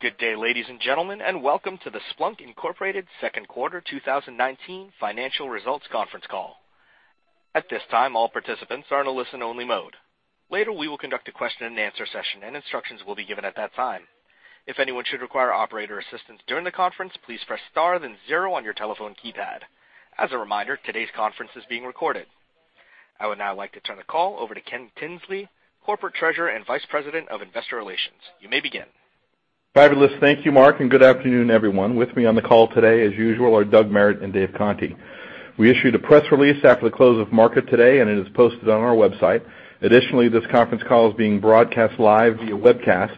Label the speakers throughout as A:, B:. A: Good day, ladies and gentlemen, and welcome to the Splunk Incorporated second quarter 2019 financial results conference call. At this time, all participants are in a listen only mode. Later, we will conduct a question and answer session, and instructions will be given at that time. If anyone should require operator assistance during the conference, please press star then zero on your telephone keypad. As a reminder, today's conference is being recorded. I would now like to turn the call over to Ken Tinsley, Corporate Treasurer and Vice President of Investor Relations. You may begin.
B: Fabulous. Thank you, Mark, and good afternoon, everyone. With me on the call today, as usual, are Doug Merritt and Dave Conte. We issued a press release after the close of market today. It is posted on our website. Additionally, this conference call is being broadcast live via webcast.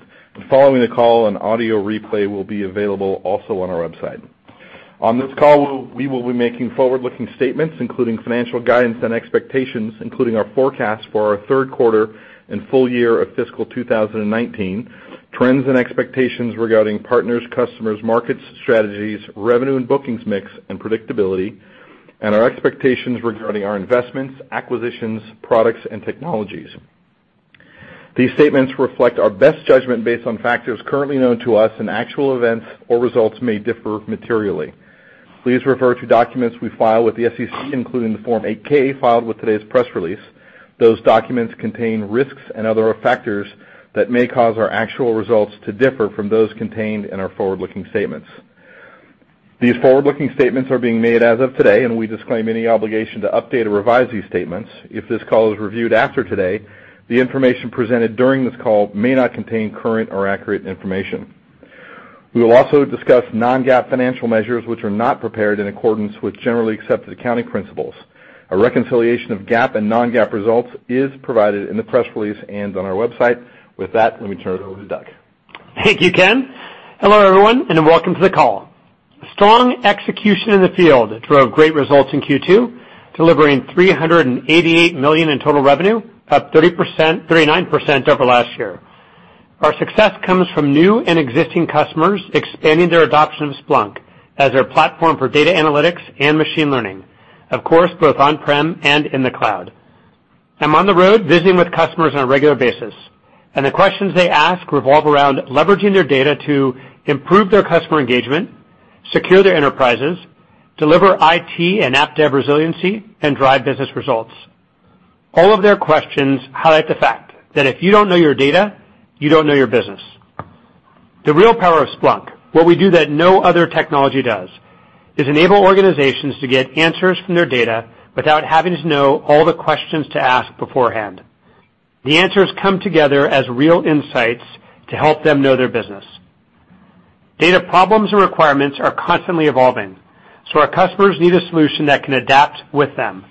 B: Following the call, an audio replay will be available also on our website. On this call, we will be making forward-looking statements, including financial guidance and expectations, including our forecast for our third quarter and full year of fiscal 2019, trends and expectations regarding partners, customers, markets, strategies, revenue and bookings mix, and predictability, and our expectations regarding our investments, acquisitions, products, and technologies. These statements reflect our best judgment based on factors currently known to us. Actual events or results may differ materially. Please refer to documents we file with the SEC, including the Form 8-K filed with today's press release. Those documents contain risks and other factors that may cause our actual results to differ from those contained in our forward-looking statements. These forward-looking statements are being made as of today. We disclaim any obligation to update or revise these statements. If this call is reviewed after today, the information presented during this call may not contain current or accurate information. We will also discuss non-GAAP financial measures which are not prepared in accordance with generally accepted accounting principles. A reconciliation of GAAP and non-GAAP results is provided in the press release and on our website. With that, let me turn it over to Doug.
C: Thank you, Ken. Hello, everyone. Welcome to the call. Strong execution in the field drove great results in Q2, delivering $388 million in total revenue, up 39% over last year. Our success comes from new and existing customers expanding their adoption of Splunk as their platform for data analytics and machine learning. Of course, both on-prem and in the cloud. I'm on the road visiting with customers on a regular basis. The questions they ask revolve around leveraging their data to improve their customer engagement, secure their enterprises, deliver IT and app dev resiliency, and drive business results. All of their questions highlight the fact that if you don't know your data, you don't know your business. The real power of Splunk, what we do that no other technology does, is enable organizations to get answers from their data without having to know all the questions to ask beforehand. The answers come together as real insights to help them know their business. Data problems and requirements are constantly evolving. Our customers need a solution that can adapt with them.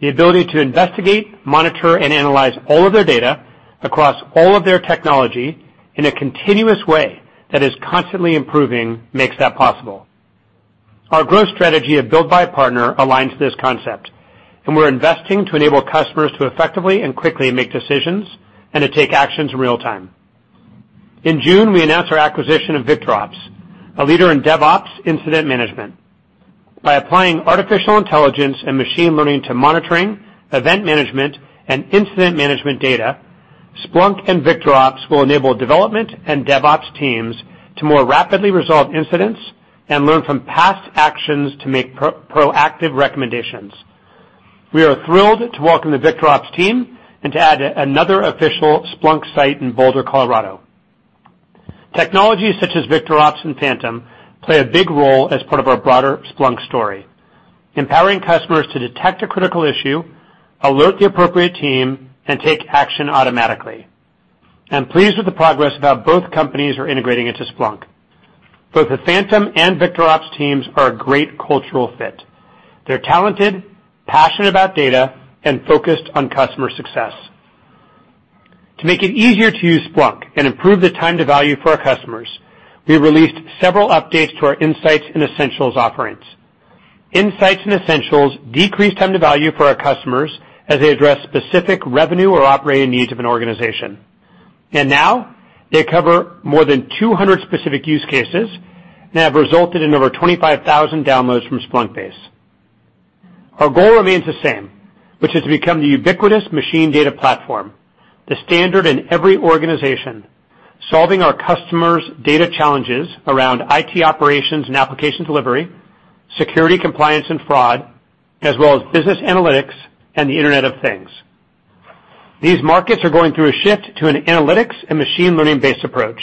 C: The ability to investigate, monitor, and analyze all of their data across all of their technology in a continuous way that is constantly improving makes that possible. Our growth strategy of build by partner aligns to this concept. We're investing to enable customers to effectively and quickly make decisions and to take actions in real time. In June, we announced our acquisition of VictorOps, a leader in DevOps incident management. By applying artificial intelligence and machine learning to monitoring, event management, and incident management data, Splunk and VictorOps will enable development and DevOps teams to more rapidly resolve incidents and learn from past actions to make proactive recommendations. We are thrilled to welcome the VictorOps team and to add another official Splunk site in Boulder, Colorado. Technologies such as VictorOps and Phantom play a big role as part of our broader Splunk story, empowering customers to detect a critical issue, alert the appropriate team, and take action automatically. I'm pleased with the progress of how both companies are integrating into Splunk. Both the Phantom and VictorOps teams are a great cultural fit. They're talented, passionate about data, and focused on customer success. To make it easier to use Splunk and improve the time to value for our customers, we released several updates to our Insights and Essentials offerings. Insights and Essentials decrease time to value for our customers as they address specific revenue or operating needs of an organization. Now they cover more than 200 specific use cases and have resulted in over 25,000 downloads from Splunkbase. Our goal remains the same, which is to become the ubiquitous machine data platform, the standard in every organization, solving our customers' data challenges around IT operations and application delivery, security compliance and fraud, as well as business analytics and the Internet of Things. These markets are going through a shift to an analytics and machine learning-based approach,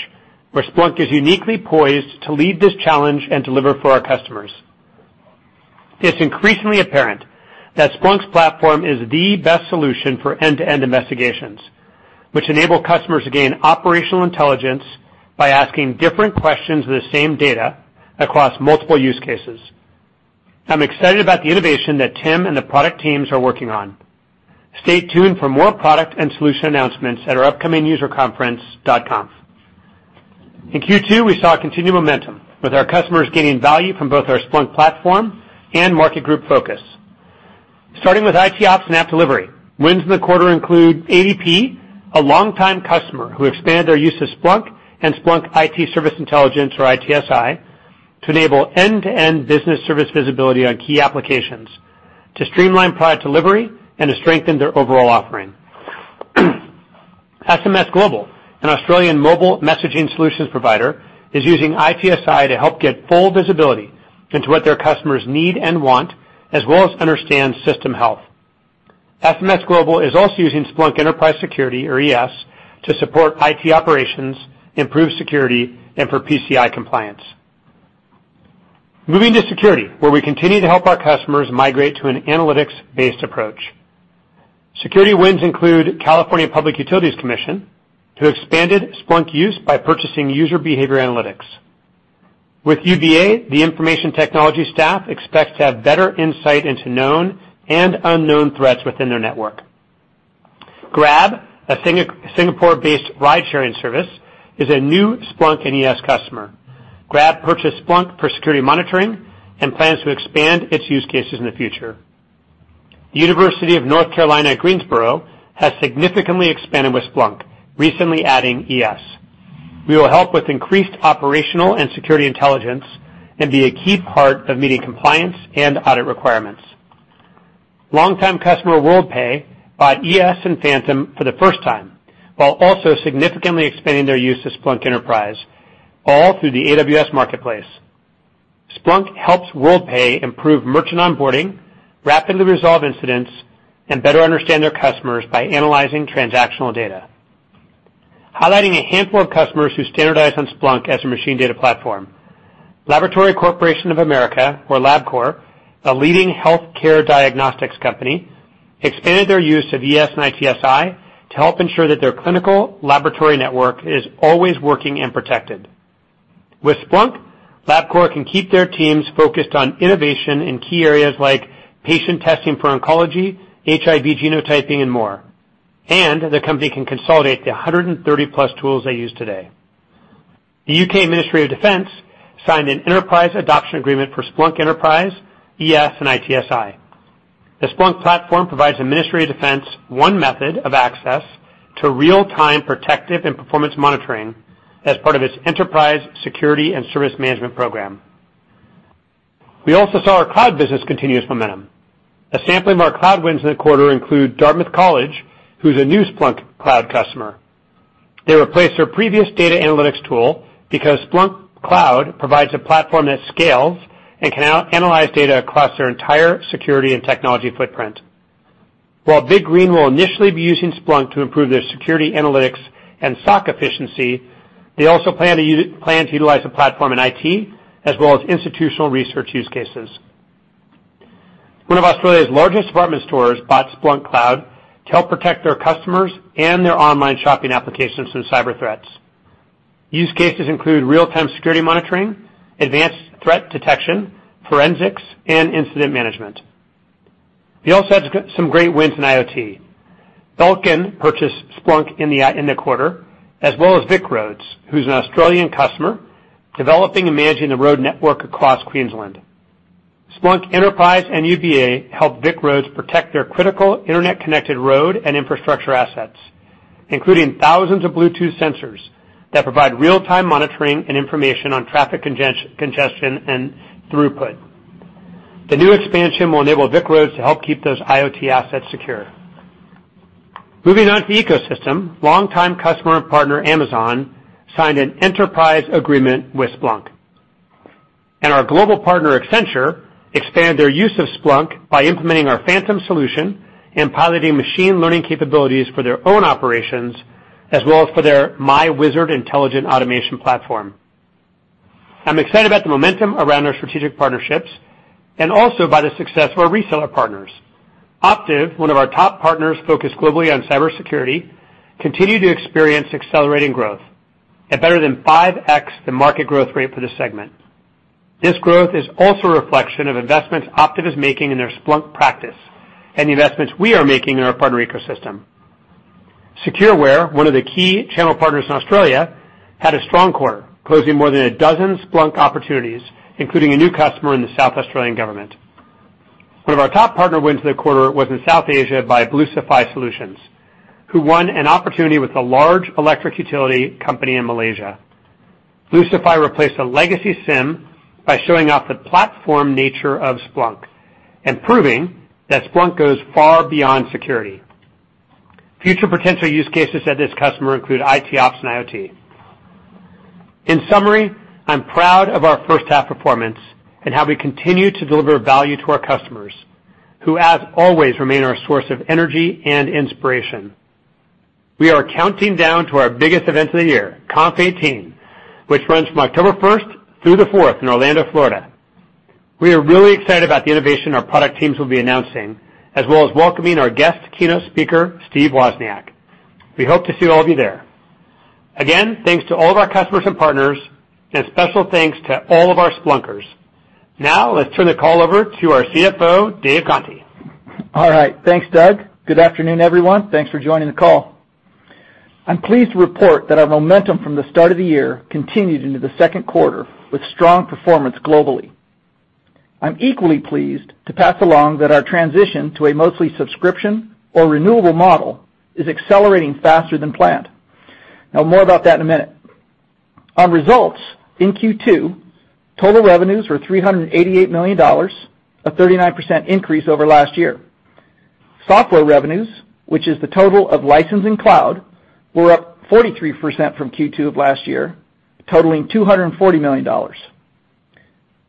C: where Splunk is uniquely poised to lead this challenge and deliver for our customers. It's increasingly apparent that Splunk's platform is the best solution for end-to-end investigations, which enable customers to gain operational intelligence by asking different questions with the same data across multiple use cases. I'm excited about the innovation that Tim and the product teams are working on. Stay tuned for more product and solution announcements at our upcoming user conference, .conf. In Q2, we saw continued momentum with our customers gaining value from both our Splunk platform and market group focus. Starting with IT ops and app delivery, wins in the quarter include ADP, a longtime customer who expanded their use of Splunk and Splunk IT Service Intelligence or ITSI to enable end-to-end business service visibility on key applications, to streamline product delivery, and to strengthen their overall offering. SMSGlobal, an Australian mobile messaging solutions provider, is using ITSI to help get full visibility into what their customers need and want, as well as understand system health. SMSGlobal is also using Splunk Enterprise Security, or ES, to support IT operations, improve security, and for PCI compliance. Moving to security, where we continue to help our customers migrate to an analytics-based approach. Security wins include California Public Utilities Commission, who expanded Splunk use by purchasing User Behavior Analytics. With UBA, the information technology staff expects to have better insight into known and unknown threats within their network. Grab, a Singapore-based ride-sharing service, is a new Splunk ES customer. Grab purchased Splunk for security monitoring and plans to expand its use cases in the future. The University of North Carolina at Greensboro has significantly expanded with Splunk, recently adding ES. We will help with increased operational and security intelligence and be a key part of meeting compliance and audit requirements. Long-time customer, Worldpay, bought ES and Phantom for the first time, while also significantly expanding their use of Splunk Enterprise, all through the AWS Marketplace. Splunk helps Worldpay improve merchant onboarding, rapidly resolve incidents, and better understand their customers by analyzing transactional data. Highlighting a handful of customers who standardized on Splunk as a machine data platform. Laboratory Corporation of America, or LabCorp, a leading healthcare diagnostics company, expanded their use of ES and ITSI to help ensure that their clinical laboratory network is always working and protected. With Splunk, LabCorp can keep their teams focused on innovation in key areas like patient testing for oncology, HIV genotyping, and more. The company can consolidate the 130-plus tools they use today. The U.K. Ministry of Defence signed an enterprise adoption agreement for Splunk Enterprise, ES, and ITSI. The Splunk platform provides the Ministry of Defence one method of access to real-time protective and performance monitoring as part of its enterprise security and service management program. We also saw our cloud business continuous momentum. A sampling of our cloud wins in the quarter include Dartmouth College, who's a new Splunk Cloud customer. They replaced their previous data analytics tool because Splunk Cloud provides a platform that scales and can now analyze data across their entire security and technology footprint. While Big Green will initially be using Splunk to improve their security analytics and SOC efficiency, they also plan to utilize the platform in IT, as well as institutional research use cases. One of Australia's largest department stores bought Splunk Cloud to help protect their customers and their online shopping applications from cyber threats. Use cases include real-time security monitoring, advanced threat detection, forensics, and incident management. We also had some great wins in IoT. Belkin purchased Splunk in the quarter, as well as VicRoads, who's an Australian customer, developing and managing the road network across Queensland. Splunk Enterprise and UBA help VicRoads protect their critical internet-connected road and infrastructure assets, including thousands of Bluetooth sensors that provide real-time monitoring and information on traffic congestion, and throughput. The new expansion will enable VicRoads to help keep those IoT assets secure. Moving on to ecosystem. Long-time customer and partner, Amazon, signed an enterprise agreement with Splunk. Our global partner, Accenture, expanded their use of Splunk by implementing our Phantom solution and piloting machine learning capabilities for their own operations, as well as for their MyWizard intelligent automation platform. I'm excited about the momentum around our strategic partnerships and also by the success of our reseller partners. Optiv, one of our top partners focused globally on cybersecurity, continue to experience accelerating growth at better than 5x the market growth rate for the segment. This growth is also a reflection of investments Optiv is making in their Splunk practice and the investments we are making in our partner ecosystem. Secureware, one of the key channel partners in Australia, had a strong quarter, closing more than a dozen Splunk opportunities, including a new customer in the South Australian Government. One of our top partner wins in the quarter was in South Asia by Bluesify Solutions, who won an opportunity with a large electric utility company in Malaysia. Bluesify replaced a legacy SIEM by showing off the platform nature of Splunk and proving that Splunk goes far beyond security. Future potential use cases at this customer include ITOps and IoT. In summary, I'm proud of our first half performance and how we continue to deliver value to our customers, who, as always, remain our source of energy and inspiration. We are counting down to our biggest event of the year, .conf18, which runs from October first through the fourth in Orlando, Florida. We are really excited about the innovation our product teams will be announcing, as well as welcoming our guest keynote speaker, Steve Wozniak. We hope to see all of you there. Again, thanks to all of our customers and partners, and a special thanks to all of our Splunkers. Let's turn the call over to our CFO, Dave Conte.
D: All right. Thanks, Doug. Good afternoon, everyone. Thanks for joining the call. I'm pleased to report that our momentum from the start of the year continued into the second quarter with strong performance globally. I'm equally pleased to pass along that our transition to a mostly subscription or renewable model is accelerating faster than planned. More about that in a minute. On results, in Q2, total revenues were $388 million, a 39% increase over last year. Software revenues, which is the total of license and cloud, were up 43% from Q2 of last year, totaling $240 million.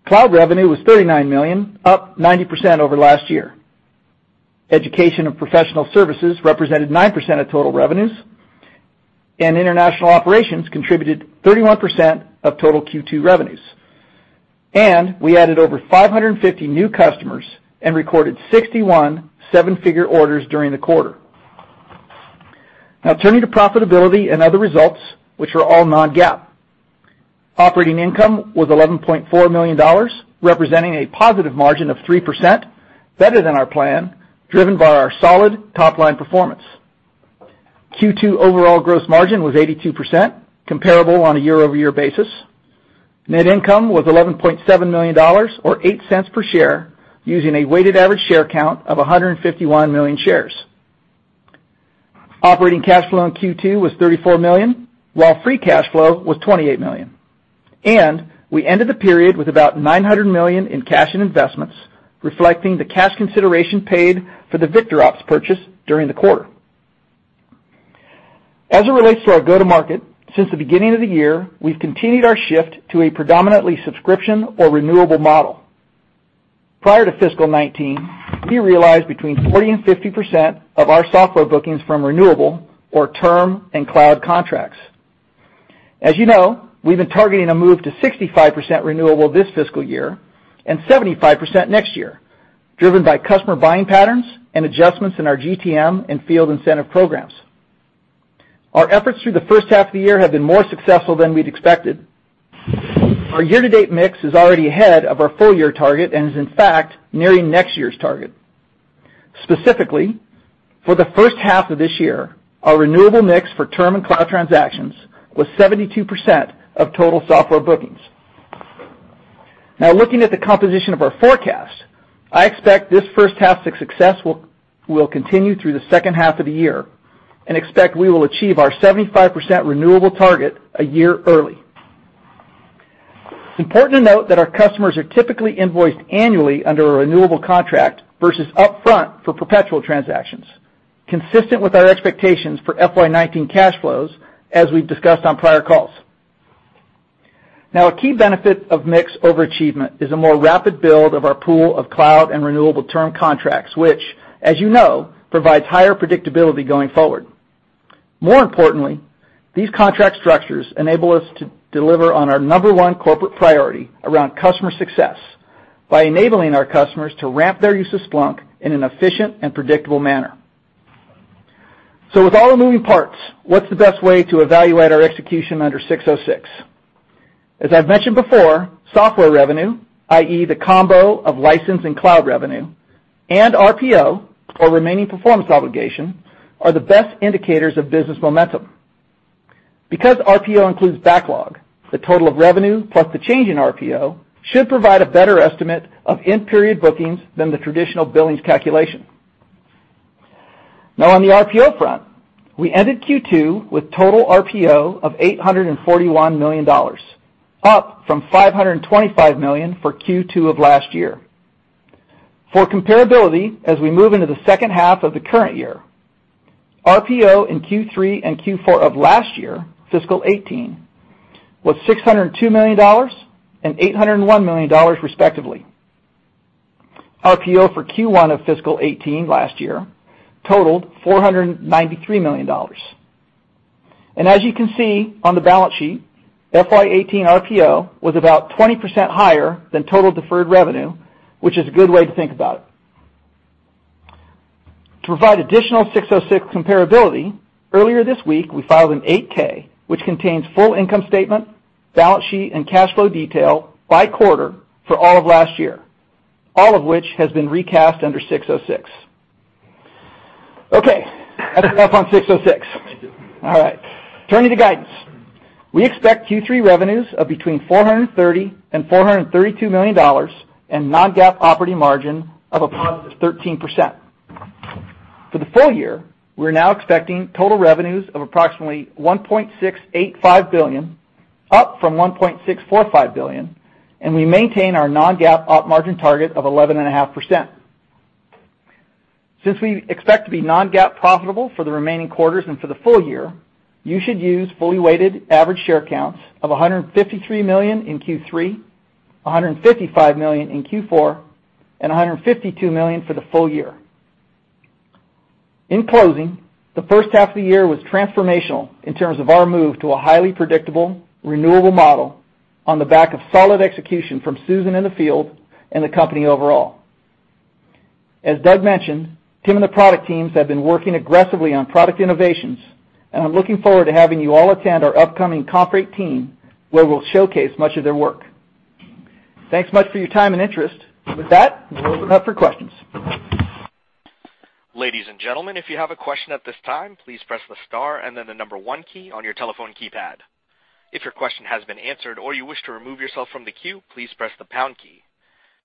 D: Cloud revenue was $39 million, up 90% over last year. Education of professional services represented 9% of total revenues, and international operations contributed 31% of total Q2 revenues. We added over 550 new customers and recorded 61 seven-figure orders during the quarter. Turning to profitability and other results, which are all non-GAAP. Operating income was $11.4 million, representing a positive margin of 3%, better than our plan, driven by our solid top-line performance. Q2 overall gross margin was 82%, comparable on a year-over-year basis. Net income was $11.7 million or $0.08 per share using a weighted average share count of 151 million shares. Operating cash flow in Q2 was $34 million while free cash flow was $28 million. We ended the period with about $900 million in cash and investments, reflecting the cash consideration paid for the VictorOps purchase during the quarter. As it relates to our go-to-market, since the beginning of the year, we've continued our shift to a predominantly subscription or renewable model. Prior to fiscal 2019, we realized between 40%-50% of our software bookings from renewable or term and cloud contracts. As you know, we've been targeting a move to 65% renewable this fiscal year and 75% next year, driven by customer buying patterns and adjustments in our GTM and field incentive programs. Our efforts through the first half of the year have been more successful than we'd expected. Our year-to-date mix is already ahead of our full-year target and is, in fact, nearing next year's target. Specifically, for the first half of this year, our renewable mix for term and cloud transactions was 72% of total software bookings. Looking at the composition of our forecast, I expect this first half's success will continue through the second half of the year and expect we will achieve our 75% renewable target a year early. It's important to note that our customers are typically invoiced annually under a renewable contract versus upfront for perpetual transactions, consistent with our expectations for FY 2019 cash flows as we've discussed on prior calls. A key benefit of mix over achievement is a more rapid build of our pool of cloud and renewable term contracts, which as you know, provides higher predictability going forward. More importantly, these contract structures enable us to deliver on our number one corporate priority around customer success by enabling our customers to ramp their use of Splunk in an efficient and predictable manner. With all the moving parts, what's the best way to evaluate our execution under 606? As I've mentioned before, software revenue, i.e., the combo of license and cloud revenue, and RPO, or remaining performance obligation, are the best indicators of business momentum. Because RPO includes backlog, the total of revenue plus the change in RPO should provide a better estimate of in-period bookings than the traditional billings calculation. On the RPO front, we ended Q2 with total RPO of $841 million, up from $525 million for Q2 of last year. For comparability, as we move into the second half of the current year, RPO in Q3 and Q4 of last year, fiscal 2018, was $602 million and $801 million respectively. RPO for Q1 of fiscal 2018 last year totaled $493 million. As you can see on the balance sheet, FY 2018 RPO was about 20% higher than total deferred revenue, which is a good way to think about it. To provide additional 606 comparability, earlier this week, we filed an 8-K, which contains full income statement, balance sheet, and cash flow detail by quarter for all of last year, all of which has been recast under 606. Okay, that is all on 606. All right. Turning to guidance. We expect Q3 revenues of between $430 million-$432 million, and non-GAAP operating margin of a positive 13%. For the full year, we're now expecting total revenues of approximately $1.685 billion, up from $1.645 billion, and we maintain our non-GAAP op margin target of 11.5%. Since we expect to be non-GAAP profitable for the remaining quarters and for the full year, you should use fully weighted average share counts of 153 million in Q3, 155 million in Q4, and 152 million for the full year. In closing, the first half of the year was transformational in terms of our move to a highly predictable, renewable model on the back of solid execution from Susan in the field and the company overall. As Doug mentioned, Tim and the product teams have been working aggressively on product innovations. I'm looking forward to having you all attend our upcoming .conf18, where we'll showcase much of their work. Thanks much for your time and interest. With that, we'll open up for questions.
A: Ladies and gentlemen, if you have a question at this time, please press the star and then the number 1 key on your telephone keypad. If your question has been answered or you wish to remove yourself from the queue, please press the pound key.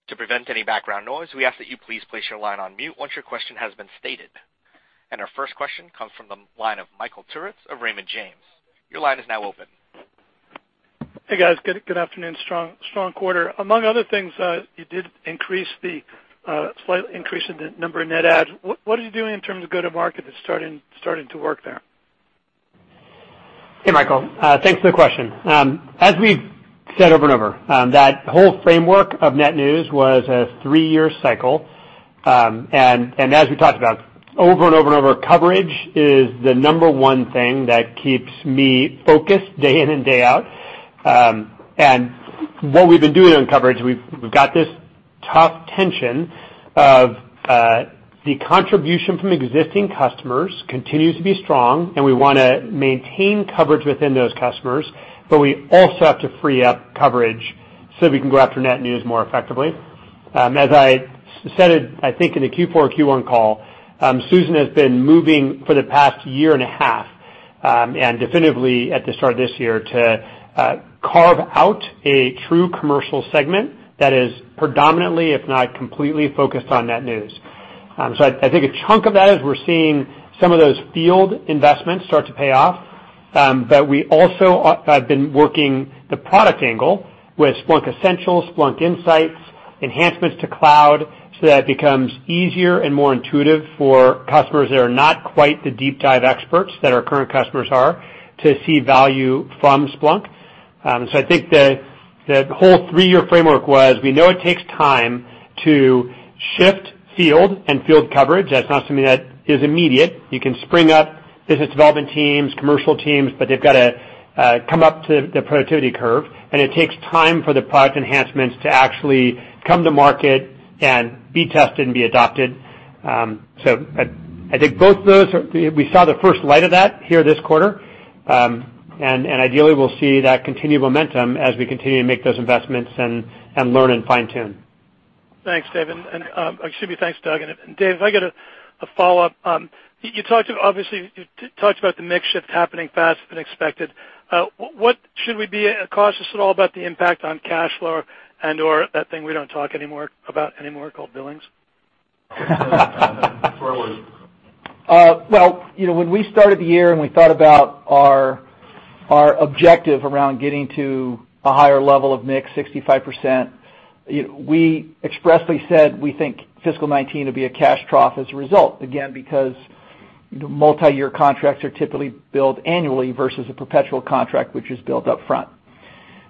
A: To prevent any background noise, we ask that you please place your line on mute once your question has been stated. Our first question comes from the line of Michael Turits of Raymond James. Your line is now open.
E: Hey, guys. Good afternoon. Strong quarter. Among other things, you did slightly increase the number of net adds. What are you doing in terms of go-to-market that's starting to work there?
C: Hey, Michael. Thanks for the question. As we've said over and over, that whole framework of net new was a three-year cycle. As we talked about over and over and over, coverage is the number 1 thing that keeps me focused day in and day out. What we've been doing on coverage, we've got this tough tension of the contribution from existing customers continues to be strong, and we want to maintain coverage within those customers, but we also have to free up coverage so we can go after net new more effectively. As I said, I think in the Q4 or Q1 call, Susan has been moving for the past year and a half, and definitively at the start of this year, to carve out a true commercial segment that is predominantly, if not completely, focused on net new. I think a chunk of that is we're seeing some of those field investments start to pay off. We also have been working the product angle with Splunk Essentials, Splunk Insights, enhancements to cloud, so that it becomes easier and more intuitive for customers that are not quite the deep dive experts that our current customers are to see value from Splunk. I think the whole three-year framework was, we know it takes time to shift field and field coverage. That's not something that is immediate. You can spring up business development teams, commercial teams, but they've got to come up to the productivity curve, and it takes time for the product enhancements to actually come to market and be tested and be adopted. I think both of those, we saw the first light of that here this quarter. Ideally, we'll see that continued momentum as we continue to make those investments and learn and fine-tune.
E: Thanks, Dave. Excuse me. Thanks, Doug. Dave, if I get a follow-up. You obviously talked about the mix shift happening faster than expected. Should we be cautious at all about the impact on cash flow and/or that thing we don't talk about anymore called billings?
D: Sure will. When we started the year and we thought about our objective around getting to a higher level of mix, 65%, we expressly said we think fiscal 2019 will be a cash trough as a result. Again, because multi-year contracts are typically billed annually versus a perpetual contract, which is billed upfront.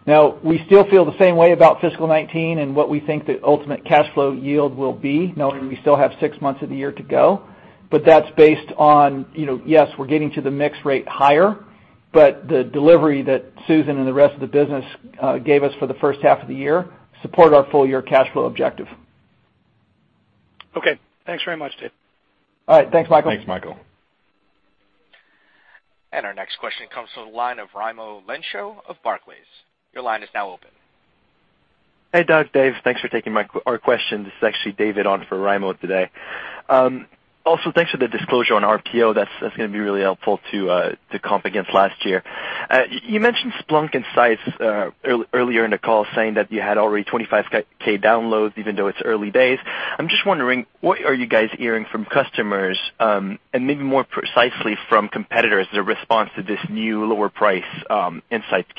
D: Now, we still feel the same way about fiscal 2019 and what we think the ultimate cash flow yield will be, knowing we still have six months of the year to go. But that's based on, yes, we're getting to the mix rate higher, but the delivery that Susan and the rest of the business gave us for the first half of the year support our full-year cash flow objective.
E: Thanks very much, Dave.
C: Thanks, Michael.
A: Thanks, Michael. Our next question comes from the line of Raimo Lenschau of Barclays. Your line is now open.
F: Hey, Doug, Dave. Thanks for taking our question. This is actually David on for Raimo today. Thanks for the disclosure on RPO. That's going to be really helpful to comp against last year. You mentioned Splunk Insights earlier in the call, saying that you had already 25,000 downloads even though it's early days. I'm just wondering, what are you guys hearing from customers, and maybe more precisely from competitors, their response to this new lower price Insights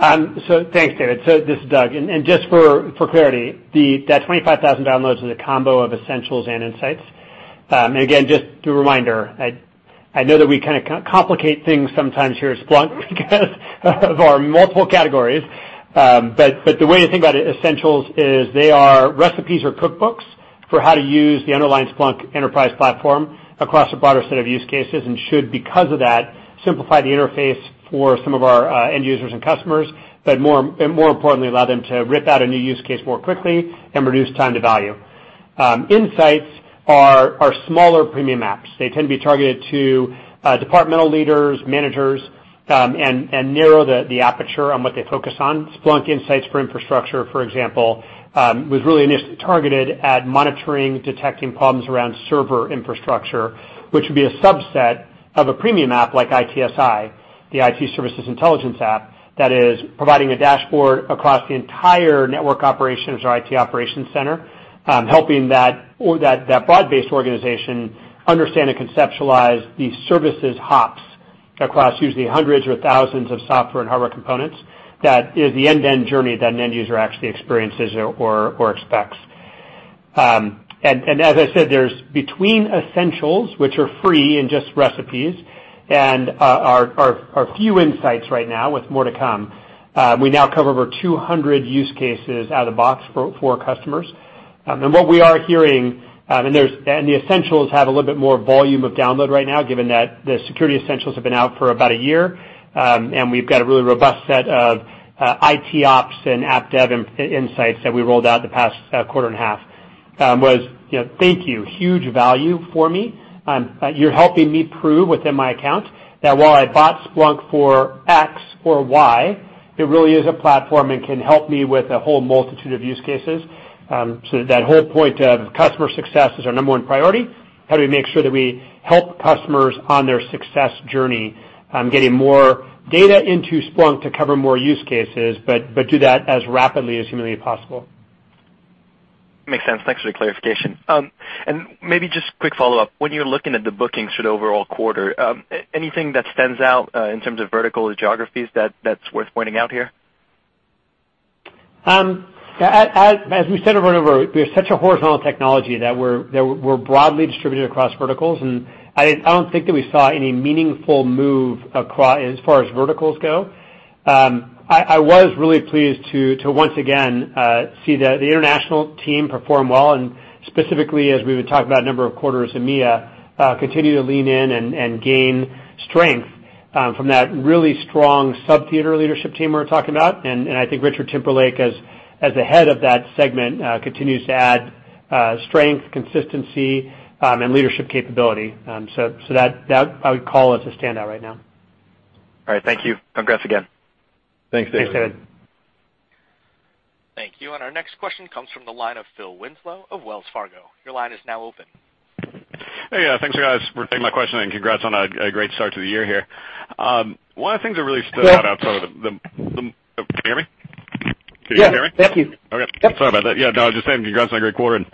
F: SKU?
C: Thanks, David. This is Doug. Just for clarity, that 25,000 downloads is a combo of Essentials and Insights. Again, just a reminder, I know that we kind of complicate things sometimes here at Splunk because of our multiple categories. The way to think about Essentials is they are recipes or cookbooks for how to use the underlying Splunk Enterprise platform across a broader set of use cases, and should, because of that, simplify the interface for some of our end users and customers. More importantly, allow them to rip out a new use case more quickly and reduce time to value. Insights are smaller premium apps. They tend to be targeted to departmental leaders, managers, and narrow the aperture on what they focus on. Splunk Insights for Infrastructure, for example, was really initially targeted at monitoring, detecting problems around server infrastructure, which would be a subset of a premium app like ITSI, the IT Service Intelligence app, that is providing a dashboard across the entire network operations or IT operations center, helping that broad-based organization understand and conceptualize the services hops across usually hundreds or thousands of software and hardware components. That is the end-to-end journey that an end user actually experiences or expects. As I said, there's between Essentials, which are free and just recipes, and our few Insights right now with more to come. We now cover over 200 use cases out of box for customers. What we are hearing, and the Essentials have a little bit more volume of download right now, given that the Security Essentials have been out for about a year. We've got a really robust set of IT Ops and App Dev Insights that we rolled out the past quarter and a half, was, "Thank you. Huge value for me. You're helping me prove within my account that while I bought Splunk for X or Y, it really is a platform and can help me with a whole multitude of use cases." That whole point of customer success is our number one priority. How do we make sure that we help customers on their success journey getting more data into Splunk to cover more use cases, but do that as rapidly and as humanly possible?
F: Makes sense. Thanks for the clarification. Maybe just quick follow-up. When you're looking at the bookings for the overall quarter, anything that stands out in terms of vertical geographies that's worth pointing out here?
C: As we said over and over, we are such a horizontal technology that we're broadly distributed across verticals. I don't think that we saw any meaningful move as far as verticals go. I was really pleased to once again see the international team perform well, and specifically as we would talk about a number of quarters, EMEA continue to lean in and gain strength from that really strong sub-theater leadership team we're talking about. I think Richard Timberlake, as the head of that segment, continues to add strength, consistency, and leadership capability. That I would call as a standout right now. All right. Thank you. Congrats again. Thanks, Dave.
A: Thank you. Our next question comes from the line of Phil Winslow of Wells Fargo. Your line is now open.
G: Hey. Thanks, guys, for taking my question. Congrats on a great start to the year here. One of the things that really stood out. Can you hear me?
C: Yes.
G: Okay. Sorry about that. Yeah, no, I was just saying congrats on a great quarter.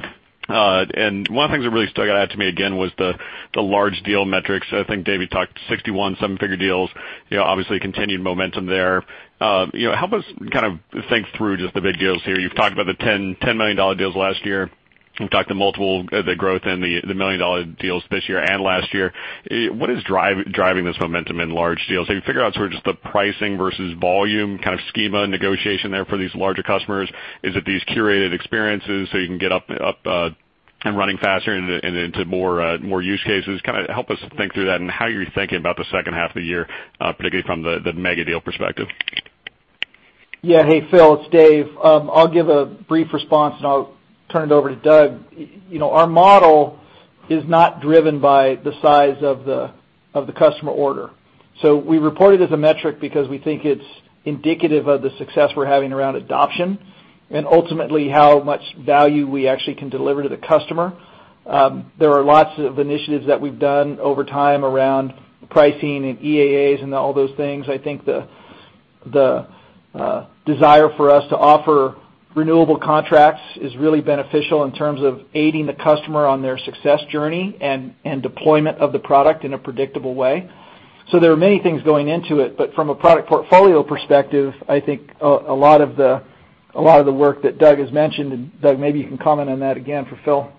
G: One of the things that really stuck out to me again was the large deal metrics. I think Dave, you talked 61 seven-figure deals, obviously continued momentum there. Help us kind of think through just the big deals here. You've talked about the $10 million deals last year. You've talked the growth in the million-dollar deals this year and last year. What is driving this momentum in large deals? Have you figured out sort of just the pricing versus volume kind of schema negotiation there for these larger customers? Is it these curated experiences so you can get up and running faster and into more use cases? Kind of help us think through that and how you're thinking about the second half of the year, particularly from the mega deal perspective.
D: Hey, Phil, it's Dave. I'll give a brief response, and I'll turn it over to Doug. Our model is not driven by the size of the customer order. We report it as a metric because we think it's indicative of the success we're having around adoption and ultimately how much value we actually can deliver to the customer. There are lots of initiatives that we've done over time around pricing and EAAs and all those things. I think the desire for us to offer renewable contracts is really beneficial in terms of aiding the customer on their success journey and deployment of the product in a predictable way. There are many things going into it, but from a product portfolio perspective, I think a lot of the work that Doug has mentioned, and Doug, maybe you can comment on that again for Phil.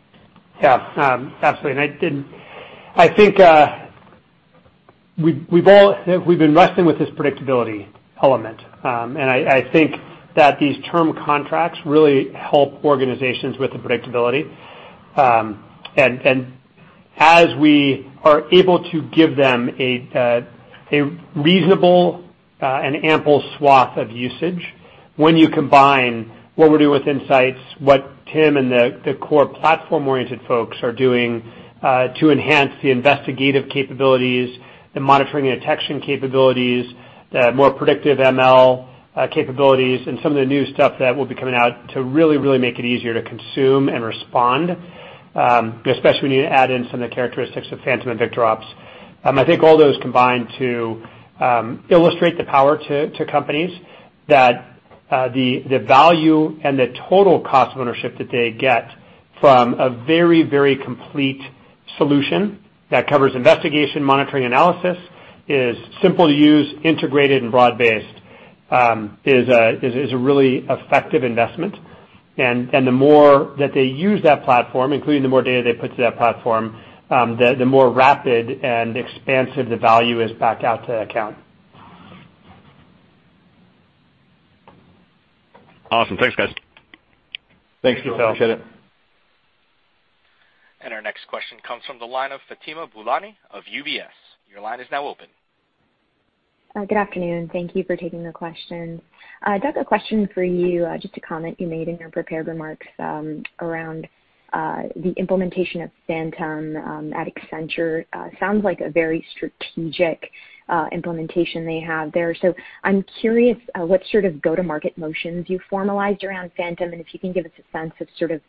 D: Absolutely.
C: I think we've been wrestling with this predictability element. I think that these term contracts really help organizations with the predictability. As we are able to give them a reasonable and ample swath of usage, when you combine what we're doing with Insights, what Tim and the core platform-oriented folks are doing to enhance the investigative capabilities, the monitoring and detection capabilities, the more predictive ML capabilities, and some of the new stuff that will be coming out to really make it easier to consume and respond, especially when you add in some of the characteristics of Phantom and VictorOps. I think all those combine to illustrate the power to companies that the value and the total cost of ownership that they get from a very complete solution that covers investigation, monitoring, analysis, is simple to use, integrated, and broad-based, is a really effective investment. The more that they use that platform, including the more data they put to that platform, the more rapid and expansive the value is back out to the account.
G: Awesome. Thanks, guys.
C: Thanks, Phil. Appreciate it.
A: Our next question comes from the line of Fatima Boolani of UBS. Your line is now open.
H: Good afternoon. Thank you for taking the question. Doug, a question for you, just a comment you made in your prepared remarks around the implementation of Phantom at Accenture. Sounds like a very strategic implementation they have there. I'm curious what sort of go-to-market motions you formalized around Phantom, if you can give us a sense of sort of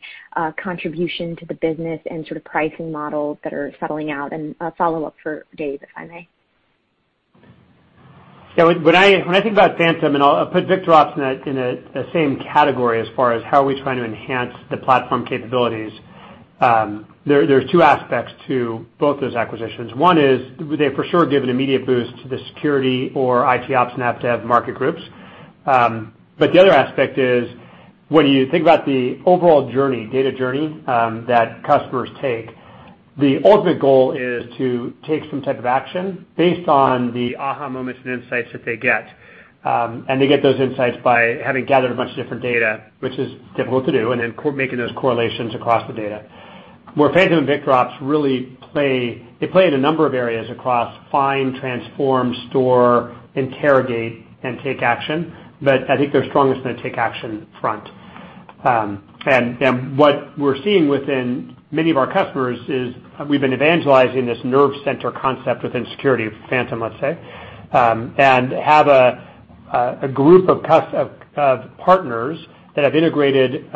H: contribution to the business and sort of pricing models that are settling out, a follow-up for Dave, if I may.
C: When I think about Phantom, I'll put VictorOps in the same category as far as how are we trying to enhance the platform capabilities, there are two aspects to both those acquisitions. One is they for sure give an immediate boost to the security or IT ops and app dev market groups. The other aspect is when you think about the overall data journey that customers take, the ultimate goal is to take some type of action based on the aha moments and insights that they get. They get those insights by having gathered a bunch of different data, which is difficult to do, and then making those correlations across the data. Where Phantom and VictorOps really play in a number of areas across find, transform, store, interrogate, and take action, I think they're strongest in the take action front. What we're seeing within many of our customers is we've been evangelizing this nerve center concept within security, Phantom let's say, and have a group of partners that have integrated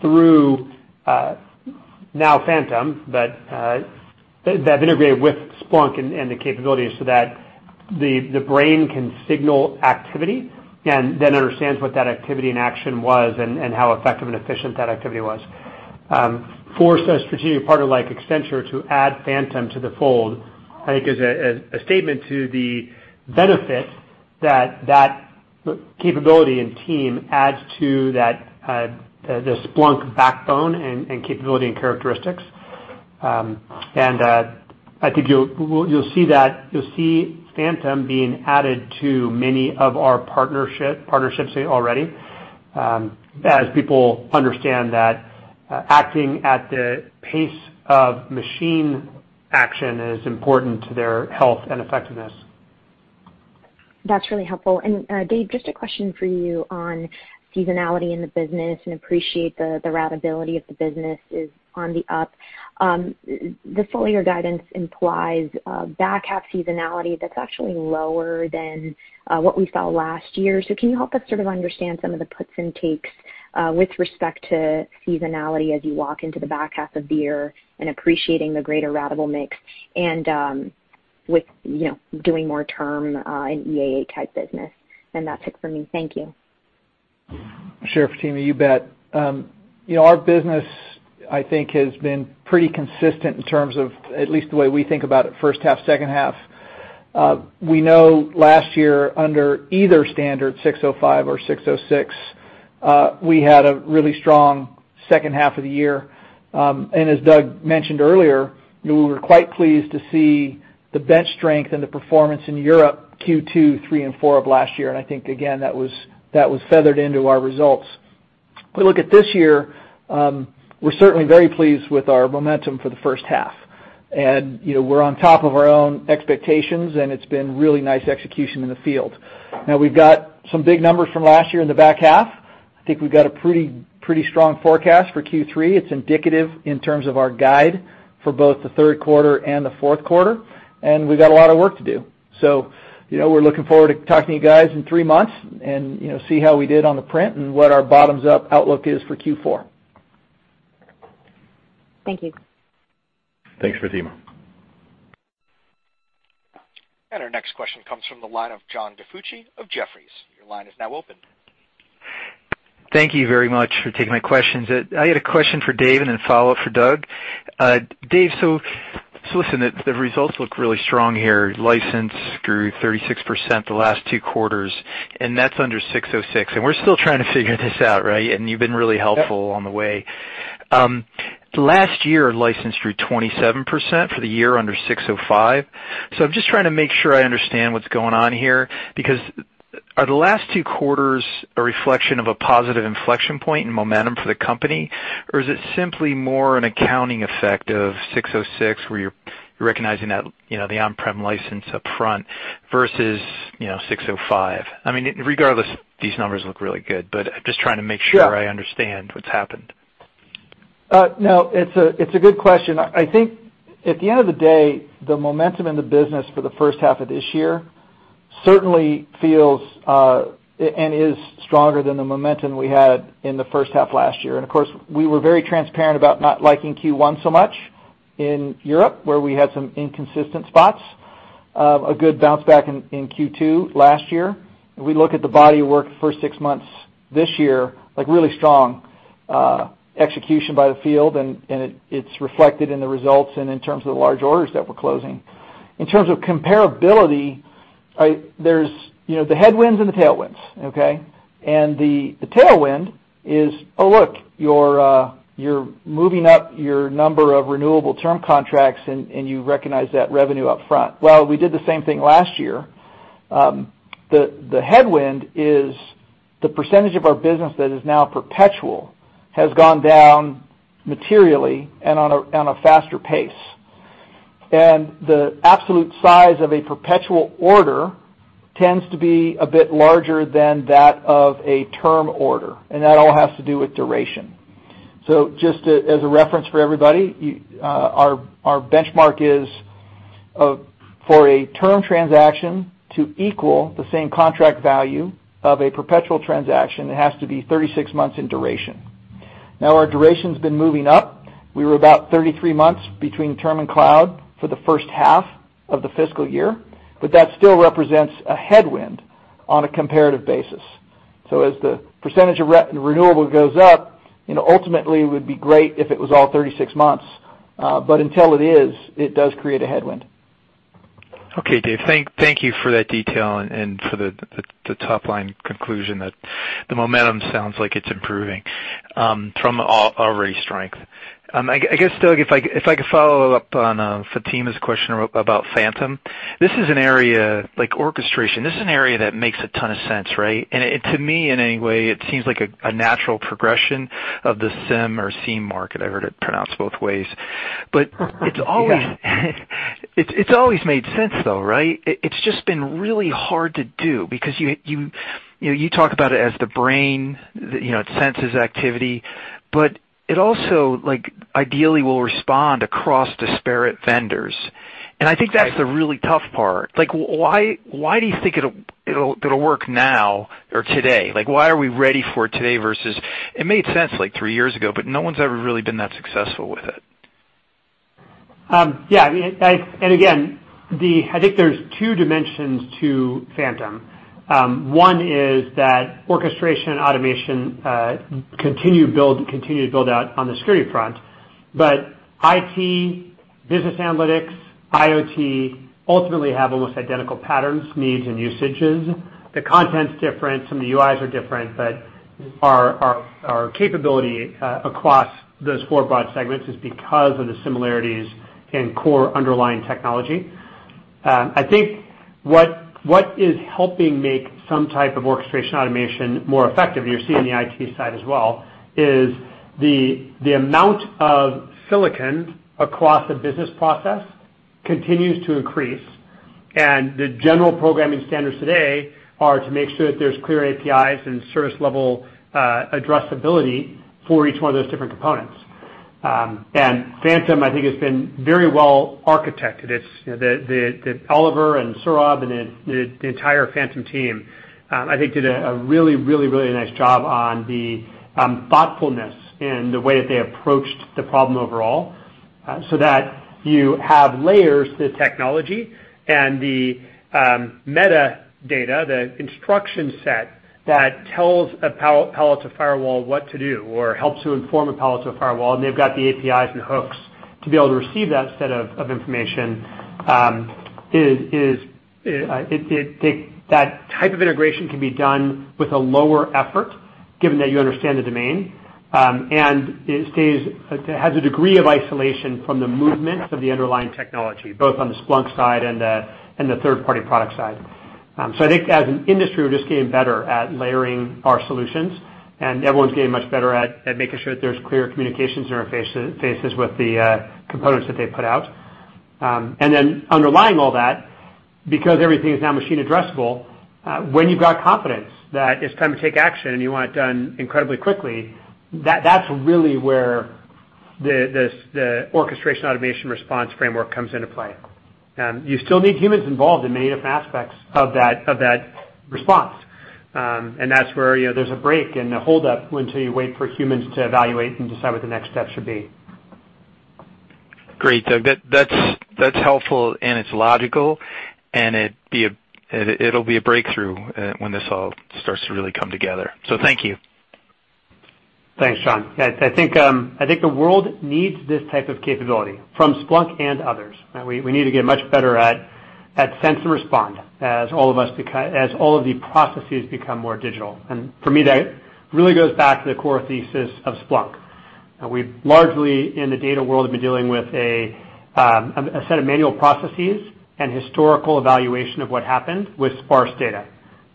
C: through now Phantom, that have integrated with Splunk and the capabilities so that the brain can signal activity and then understands what that activity and action was and how effective and efficient that activity was. For a strategic partner like Accenture to add Phantom to the fold, I think is a statement to the benefit that that capability and team adds to the Splunk backbone and capability and characteristics. I think you'll see Phantom being added to many of our partnerships already as people understand that acting at the pace of machine action is important to their health and effectiveness.
H: That's really helpful. Dave, just a question for you on seasonality in the business and appreciate the ratability of the business is on the up. The full year guidance implies back half seasonality that's actually lower than what we saw last year. Can you help us sort of understand some of the puts and takes with respect to seasonality as you walk into the back half of the year and appreciating the greater ratable mix and with doing more term in EAA type business? That's it for me. Thank you.
D: Sure, Fatima, you bet. Our business, I think, has been pretty consistent in terms of at least the way we think about it, first half, second half. We know last year under either standard 605 or 606, we had a really strong second half of the year. As Doug mentioned earlier, we were quite pleased to see the bench strength and the performance in Europe Q2, 3, and 4 of last year. I think, again, that was feathered into our results. If we look at this year, we're certainly very pleased with our momentum for the first half. We're on top of our own expectations, and it's been really nice execution in the field. Now we've got some big numbers from last year in the back half. I think we've got a pretty strong forecast for Q3. It's indicative in terms of our guide for both the third quarter and the fourth quarter, and we've got a lot of work to do. We're looking forward to talking to you guys in three months and see how we did on the print and what our bottoms-up outlook is for Q4.
H: Thank you.
C: Thanks, Fatima.
A: Our next question comes from the line of John DiFucci of Jefferies. Your line is now open.
I: Thank you very much for taking my questions. I had a question for Dave and then a follow-up for Doug. Dave, so listen, the results look really strong here. License grew 36% the last two quarters, and that's under 606. We're still trying to figure this out, right? You've been really helpful on the way. Last year, license grew 27% for the year under 605. I'm just trying to make sure I understand what's going on here, because are the last two quarters a reflection of a positive inflection point and momentum for the company? Or is it simply more an accounting effect of 606, where you're recognizing that the on-prem license up front versus 605? I mean, regardless, these numbers look really good, but just trying to make sure.
D: Sure
I: I understand what's happened.
D: No, it's a good question. I think at the end of the day, the momentum in the business for the first half of this year certainly feels and is stronger than the momentum we had in the first half last year. Of course, we were very transparent about not liking Q1 so much in Europe, where we had some inconsistent spots. A good bounce back in Q2 last year. If we look at the body of work first six months this year, like really strong execution by the field, and it's reflected in the results and in terms of the large orders that we're closing. In terms of comparability, there's the headwinds and the tailwinds, okay? The tailwind is, oh, look, you're moving up your number of renewable term contracts, and you recognize that revenue up front. Well, we did the same thing last year. The headwind is the percentage of our business that is now perpetual has gone down materially and on a faster pace. The absolute size of a perpetual order tends to be a bit larger than that of a term order, and that all has to do with duration. Just as a reference for everybody, our benchmark is for a term transaction to equal the same contract value of a perpetual transaction, it has to be 36 months in duration. Our duration's been moving up. We were about 33 months between term and cloud for the first half of the fiscal year, but that still represents a headwind on a comparative basis. As the percentage of renewable goes up, ultimately, it would be great if it was all 36 months. Until it is, it does create a headwind.
I: Okay, Dave. Thank you for that detail and for the top-line conclusion that the momentum sounds like it's improving from already strength. I guess, Doug, if I could follow up on Fatima's question about Phantom. This is an area like orchestration. This is an area that makes a ton of sense, right? To me, in any way, it seems like a natural progression of the SIM or SIEM market. I heard it pronounced both ways.
D: Yeah
I: It's always made sense, though, right? It's just been really hard to do because you talk about it as the brain, it senses activity, but it also ideally will respond across disparate vendors. I think that's the really tough part. Why do you think it'll work now or today? Why are we ready for it today versus, it made sense like three years ago, but no one's ever really been that successful with it.
C: Yeah. Again, I think there's two dimensions to Phantom. One is that orchestration automation continue to build out on the security front. IT, business analytics, IoT ultimately have almost identical patterns, needs, and usages. The content's different, some of the UIs are different, but our capability across those four broad segments is because of the similarities in core underlying technology. I think what is helping make some type of orchestration automation more effective, and you're seeing the IT side as well, is the amount of silicon across a business process continues to increase, and the general programming standards today are to make sure that there's clear APIs and service level addressability for each one of those different components. Phantom, I think, has been very well architected. Oliver and Sourabh and the entire Phantom team, I think did a really nice job on the thoughtfulness in the way that they approached the problem overall, so that you have layers to the technology and the metadata, the instruction set that tells a Palo Alto firewall what to do or helps to inform a Palo Alto firewall, and they've got the APIs and hooks to be able to receive that set of information. That type of integration can be done with a lower effort given that you understand the domain. It has a degree of isolation from the movement of the underlying technology, both on the Splunk side and the third-party product side. I think as an industry, we're just getting better at layering our solutions, and everyone's getting much better at making sure that there's clear communications interfaces with the components that they put out. Underlying all that, because everything is now machine addressable, when you've got confidence that it's time to take action and you want it done incredibly quickly, that's really where the orchestration automation response framework comes into play. You still need humans involved in many different aspects of that response. That's where there's a break and a hold up until you wait for humans to evaluate and decide what the next step should be.
I: Great. Doug, that's helpful and it's logical, and it'll be a breakthrough when this all starts to really come together. Thank you.
C: Thanks, John. I think the world needs this type of capability from Splunk and others. We need to get much better at sense and respond as all of the processes become more digital. For me, that really goes back to the core thesis of Splunk. We've largely, in the data world, have been dealing with a set of manual processes and historical evaluation of what happened with sparse data.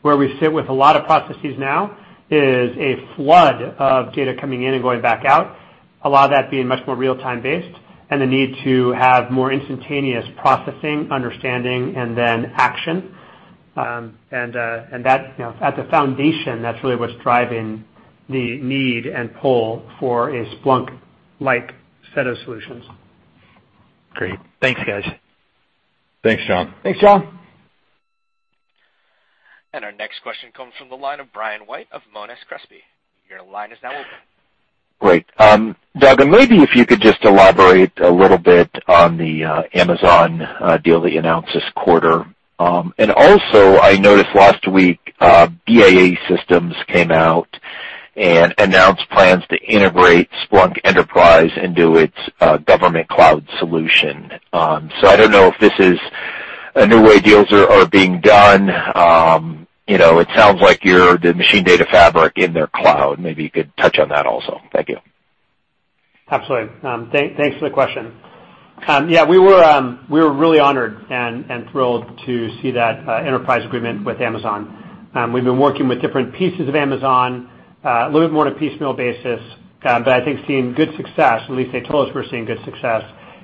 C: Where we sit with a lot of processes now is a flood of data coming in and going back out, a lot of that being much more real-time based, and the need to have more instantaneous processing, understanding, and then action. At the foundation, that's really what's driving the need and pull for a Splunk-like set of solutions.
I: Great. Thanks, guys.
B: Thanks, John.
C: Thanks, John.
A: Our next question comes from the line of Brian White of Monness Crespi. Your line is now open.
J: Great. Doug, maybe if you could just elaborate a little bit on the Amazon deal that you announced this quarter. Also, I noticed last week, BAE Systems came out and announced plans to integrate Splunk Enterprise into its government cloud solution. I don't know if this is a new way deals are being done. It sounds like you're the machine data fabric in their cloud. Maybe you could touch on that also. Thank you.
C: Absolutely. Thanks for the question. We were really honored and thrilled to see that enterprise agreement with Amazon. We've been working with different pieces of Amazon, a little bit more on a piecemeal basis, but I think seeing good success, at least they told us we're seeing good success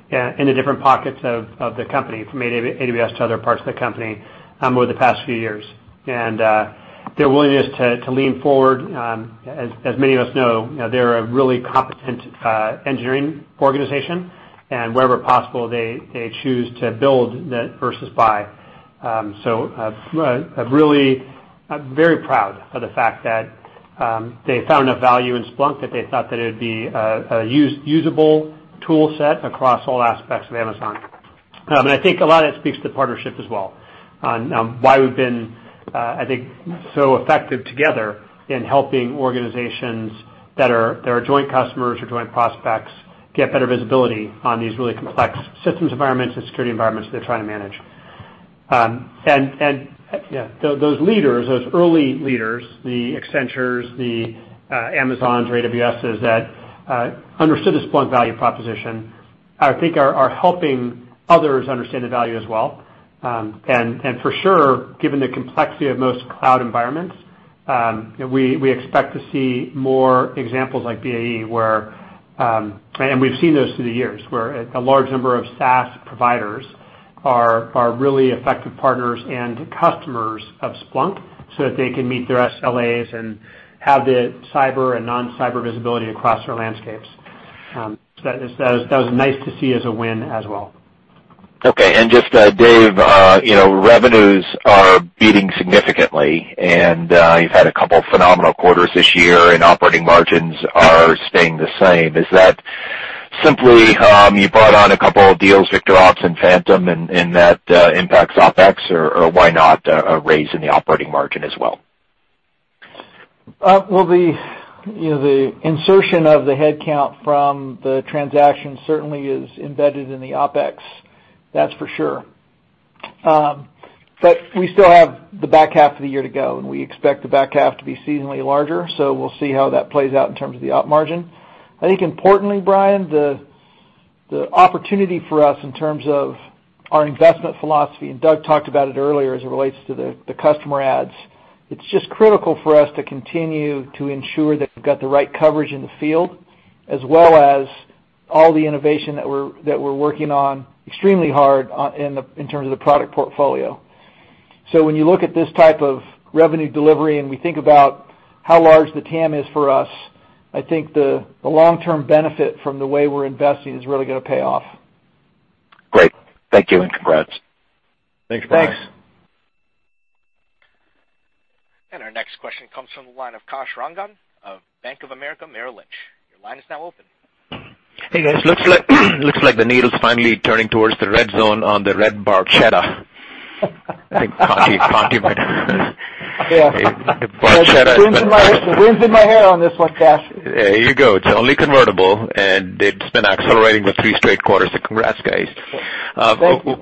C: in the different pockets of the company, from AWS to other parts of the company over the past few years. Their willingness to lean forward, as many of us know, they're a really competent engineering organization, and wherever possible, they choose to build versus buy. I'm very proud of the fact that they found enough value in Splunk that they thought that it would be a usable tool set across all aspects of Amazon. I think a lot of it speaks to partnership as well on why we've been, I think, so effective together in helping organizations that are joint customers or joint prospects get better visibility on these really complex systems environments and security environments they're trying to manage. Those leaders, those early leaders, the Accentures, the Amazons or AWSs that understood the Splunk value proposition, I think are helping others understand the value as well. For sure, given the complexity of most cloud environments, we expect to see more examples like BAE where, and we've seen this through the years, where a large number of SaaS providers are really effective partners and customers of Splunk so that they can meet their SLAs and have the cyber and non-cyber visibility across their landscapes. That was nice to see as a win as well.
J: Okay. Just Dave, revenues are beating significantly, and you've had a couple phenomenal quarters this year and operating margins are staying the same. Is that simply you brought on a couple of deals, VictorOps and Phantom, and that impacts OpEx? Why not a raise in the operating margin as well?
D: Well, the insertion of the headcount from the transaction certainly is embedded in the OpEx, that's for sure. We still have the back half of the year to go, and we expect the back half to be seasonally larger. We'll see how that plays out in terms of the op margin. I think importantly, Brian, the opportunity for us in terms of our investment philosophy, and Doug talked about it earlier as it relates to the customer adds. It's just critical for us to continue to ensure that we've got the right coverage in the field, as well as all the innovation that we're working on extremely hard in terms of the product portfolio. When you look at this type of revenue delivery, and we think about how large the TAM is for us, I think the long-term benefit from the way we're investing is really going to pay off.
J: Great. Thank you. Congrats.
D: Thanks, Brian.
C: Thanks.
A: Our next question comes from the line of Kash Rangan of Bank of America Merrill Lynch. Your line is now open.
K: Hey, guys. Looks like the needle's finally turning towards the red zone on the red Barchetta. I think, Conte.
D: Yeah.
K: Barchetta.
D: The wind's in my hair on this one, Kash.
K: There you go. It's only convertible, It's been accelerating for three straight quarters, congrats, guys. Thank you.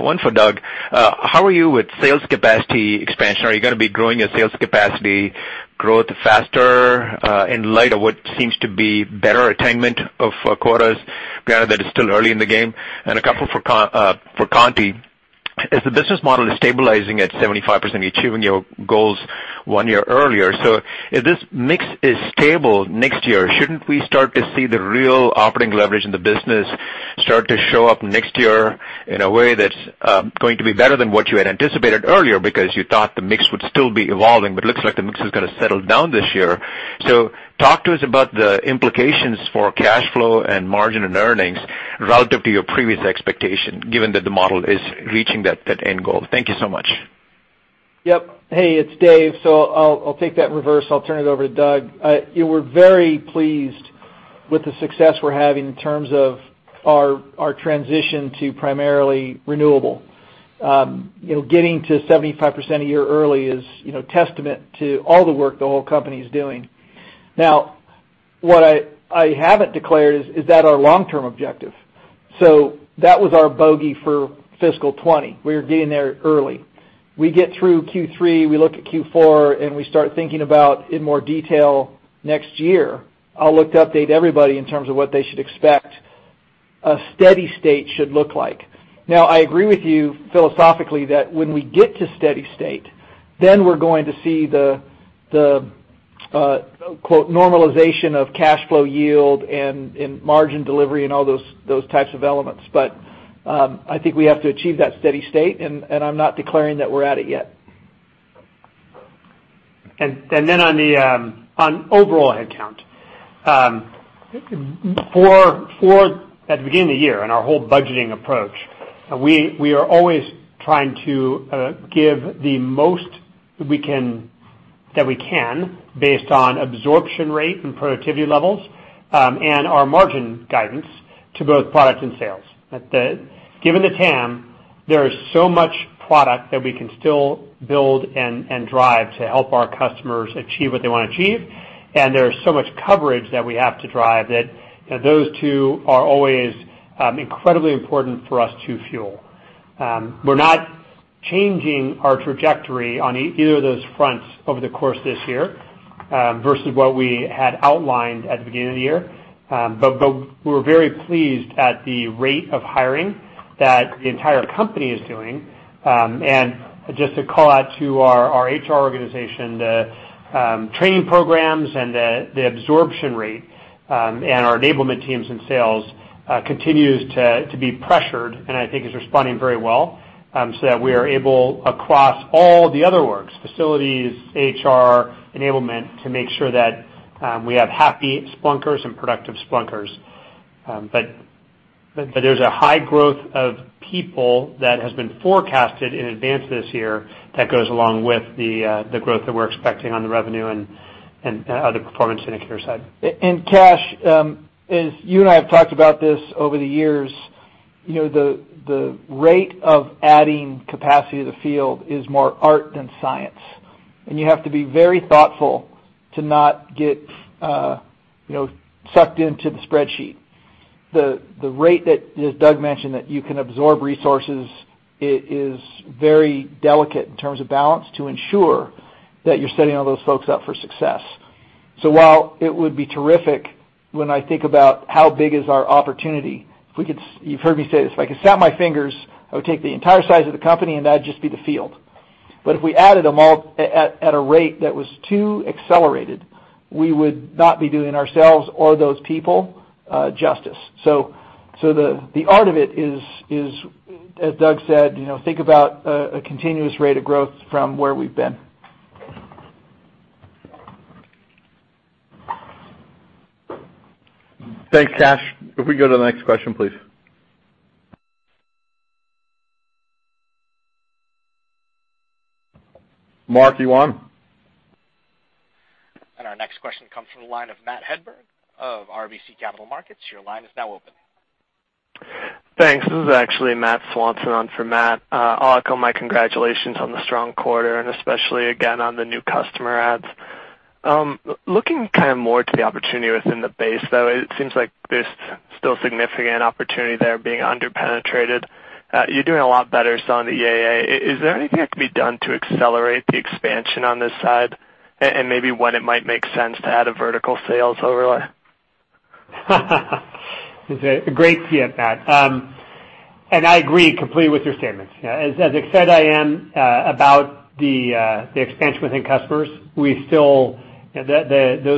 K: One for Doug. How are you with sales capacity expansion? Are you going to be growing your sales capacity growth faster, in light of what seems to be better attainment of quotas, granted that it's still early in the game? A couple for Conti. As the business model is stabilizing at 75%, you're achieving your goals one year earlier. If this mix is stable next year, shouldn't we start to see the real operating leverage in the business start to show up next year in a way that's going to be better than what you had anticipated earlier? You thought the mix would still be evolving, but looks like the mix is going to settle down this year. Talk to us about the implications for cash flow and margin and earnings relative to your previous expectation, given that the model is reaching that end goal. Thank you so much.
D: Yep. Hey, it's Dave. I'll take that in reverse. I'll turn it over to Doug. We're very pleased with the success we're having in terms of our transition to primarily renewable. Getting to 75% a year early is testament to all the work the whole company is doing. What I haven't declared is that our long-term objective. That was our bogey for fiscal 2020. We were getting there early. We get through Q3, we look at Q4. We start thinking about in more detail next year. I'll look to update everybody in terms of what they should expect a steady state should look like. I agree with you philosophically, that when we get to steady state, we're going to see the "normalization" of cash flow yield and margin delivery and all those types of elements. I think we have to achieve that steady state. I'm not declaring that we're at it yet.
C: On overall headcount. At the beginning of the year, in our whole budgeting approach, we are always trying to give the most that we can based on absorption rate and productivity levels, and our margin guidance to both product and sales. Given the TAM, there is so much product that we can still build and drive to help our customers achieve what they want to achieve. There is so much coverage that we have to drive that those two are always incredibly important for us to fuel. We're not changing our trajectory on either of those fronts over the course of this year, versus what we had outlined at the beginning of the year. We're very pleased at the rate of hiring that the entire company is doing. Just to call out to our HR organization, the training programs and the absorption rate, and our enablement teams in sales, continues to be pressured and I think is responding very well, so that we are able, across all the other works, facilities, HR, enablement, to make sure that we have happy Splunkers and productive Splunkers. There's a high growth of people that has been forecasted in advance this year that goes along with the growth that we're expecting on the revenue and other performance indicator side.
D: Kash, as you and I have talked about this over the years, the rate of adding capacity to the field is more art than science, and you have to be very thoughtful to not get sucked into the spreadsheet. The rate that, as Doug mentioned, that you can absorb resources is very delicate in terms of balance to ensure that you're setting all those folks up for success. While it would be terrific when I think about how big is our opportunity, you've heard me say this, if I could snap my fingers, I would take the entire size of the company, and that'd just be the field. If we added them all at a rate that was too accelerated, we would not be doing ourselves or those people justice. The art of it is, as Doug said, think about a continuous rate of growth from where we've been.
C: Thanks, Kash. If we can go to the next question, please. Mark, you on?
A: Our next question comes from the line of Matthew Hedberg of RBC Capital Markets. Your line is now open.
L: Thanks. This is actually Matthew Swanson on for Matt. I'll echo my congratulations on the strong quarter and especially again on the new customer adds. Looking more to the opportunity within the base, though, it seems like there's still significant opportunity there being under-penetrated. You're doing a lot better, I saw, on the EAA. Is there anything that can be done to accelerate the expansion on this side? Maybe when it might make sense to add a vertical sales overlay?
C: It's a great Q, Matt. I agree completely with your statements. As excited I am about the expansion within customers, those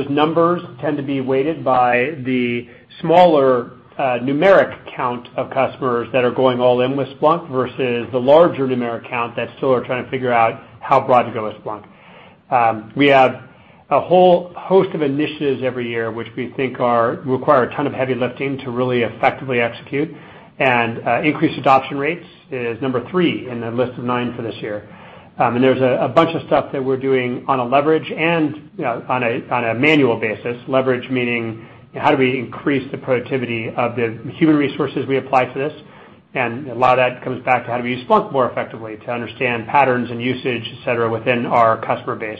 C: numbers tend to be weighted by the smaller numeric count of customers that are going all in with Splunk versus the larger numeric count that still are trying to figure out how broad to go with Splunk. We have a whole host of initiatives every year, which we think require a ton of heavy lifting to really effectively execute, increase adoption rates is number three in the list of nine for this year. There's a bunch of stuff that we're doing on a leverage and on a manual basis. Leverage meaning, how do we increase the productivity of the human resources we apply to this? A lot of that comes back to how do we use Splunk more effectively to understand patterns and usage, et cetera, within our customer base.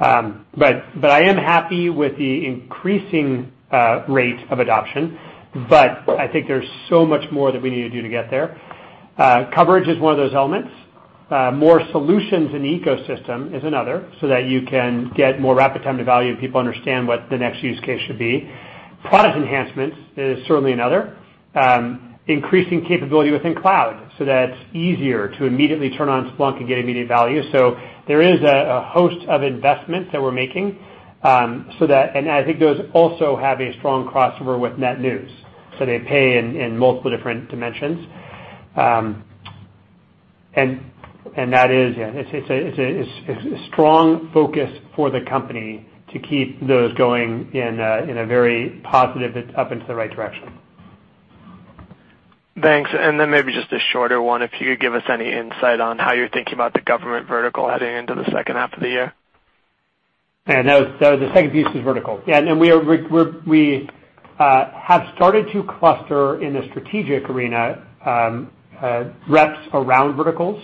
C: I am happy with the increasing rate of adoption, but I think there's so much more that we need to do to get there. Coverage is one of those elements. More solutions in the ecosystem is another so that you can get more rapid time to value and people understand what the next use case should be. Product enhancements is certainly another. Increasing capability within cloud so that it's easier to immediately turn on Splunk and get immediate value. There is a host of investments that we're making, and I think those also have a strong crossover with net new. They pay in multiple different dimensions. That is a strong focus for the company to keep those going in a very positive, up into the right direction.
L: Thanks. Maybe just a shorter one, if you could give us any insight on how you're thinking about the government vertical heading into the second half of the year.
C: No, the second piece is vertical. We have started to cluster in the strategic arena reps around verticals.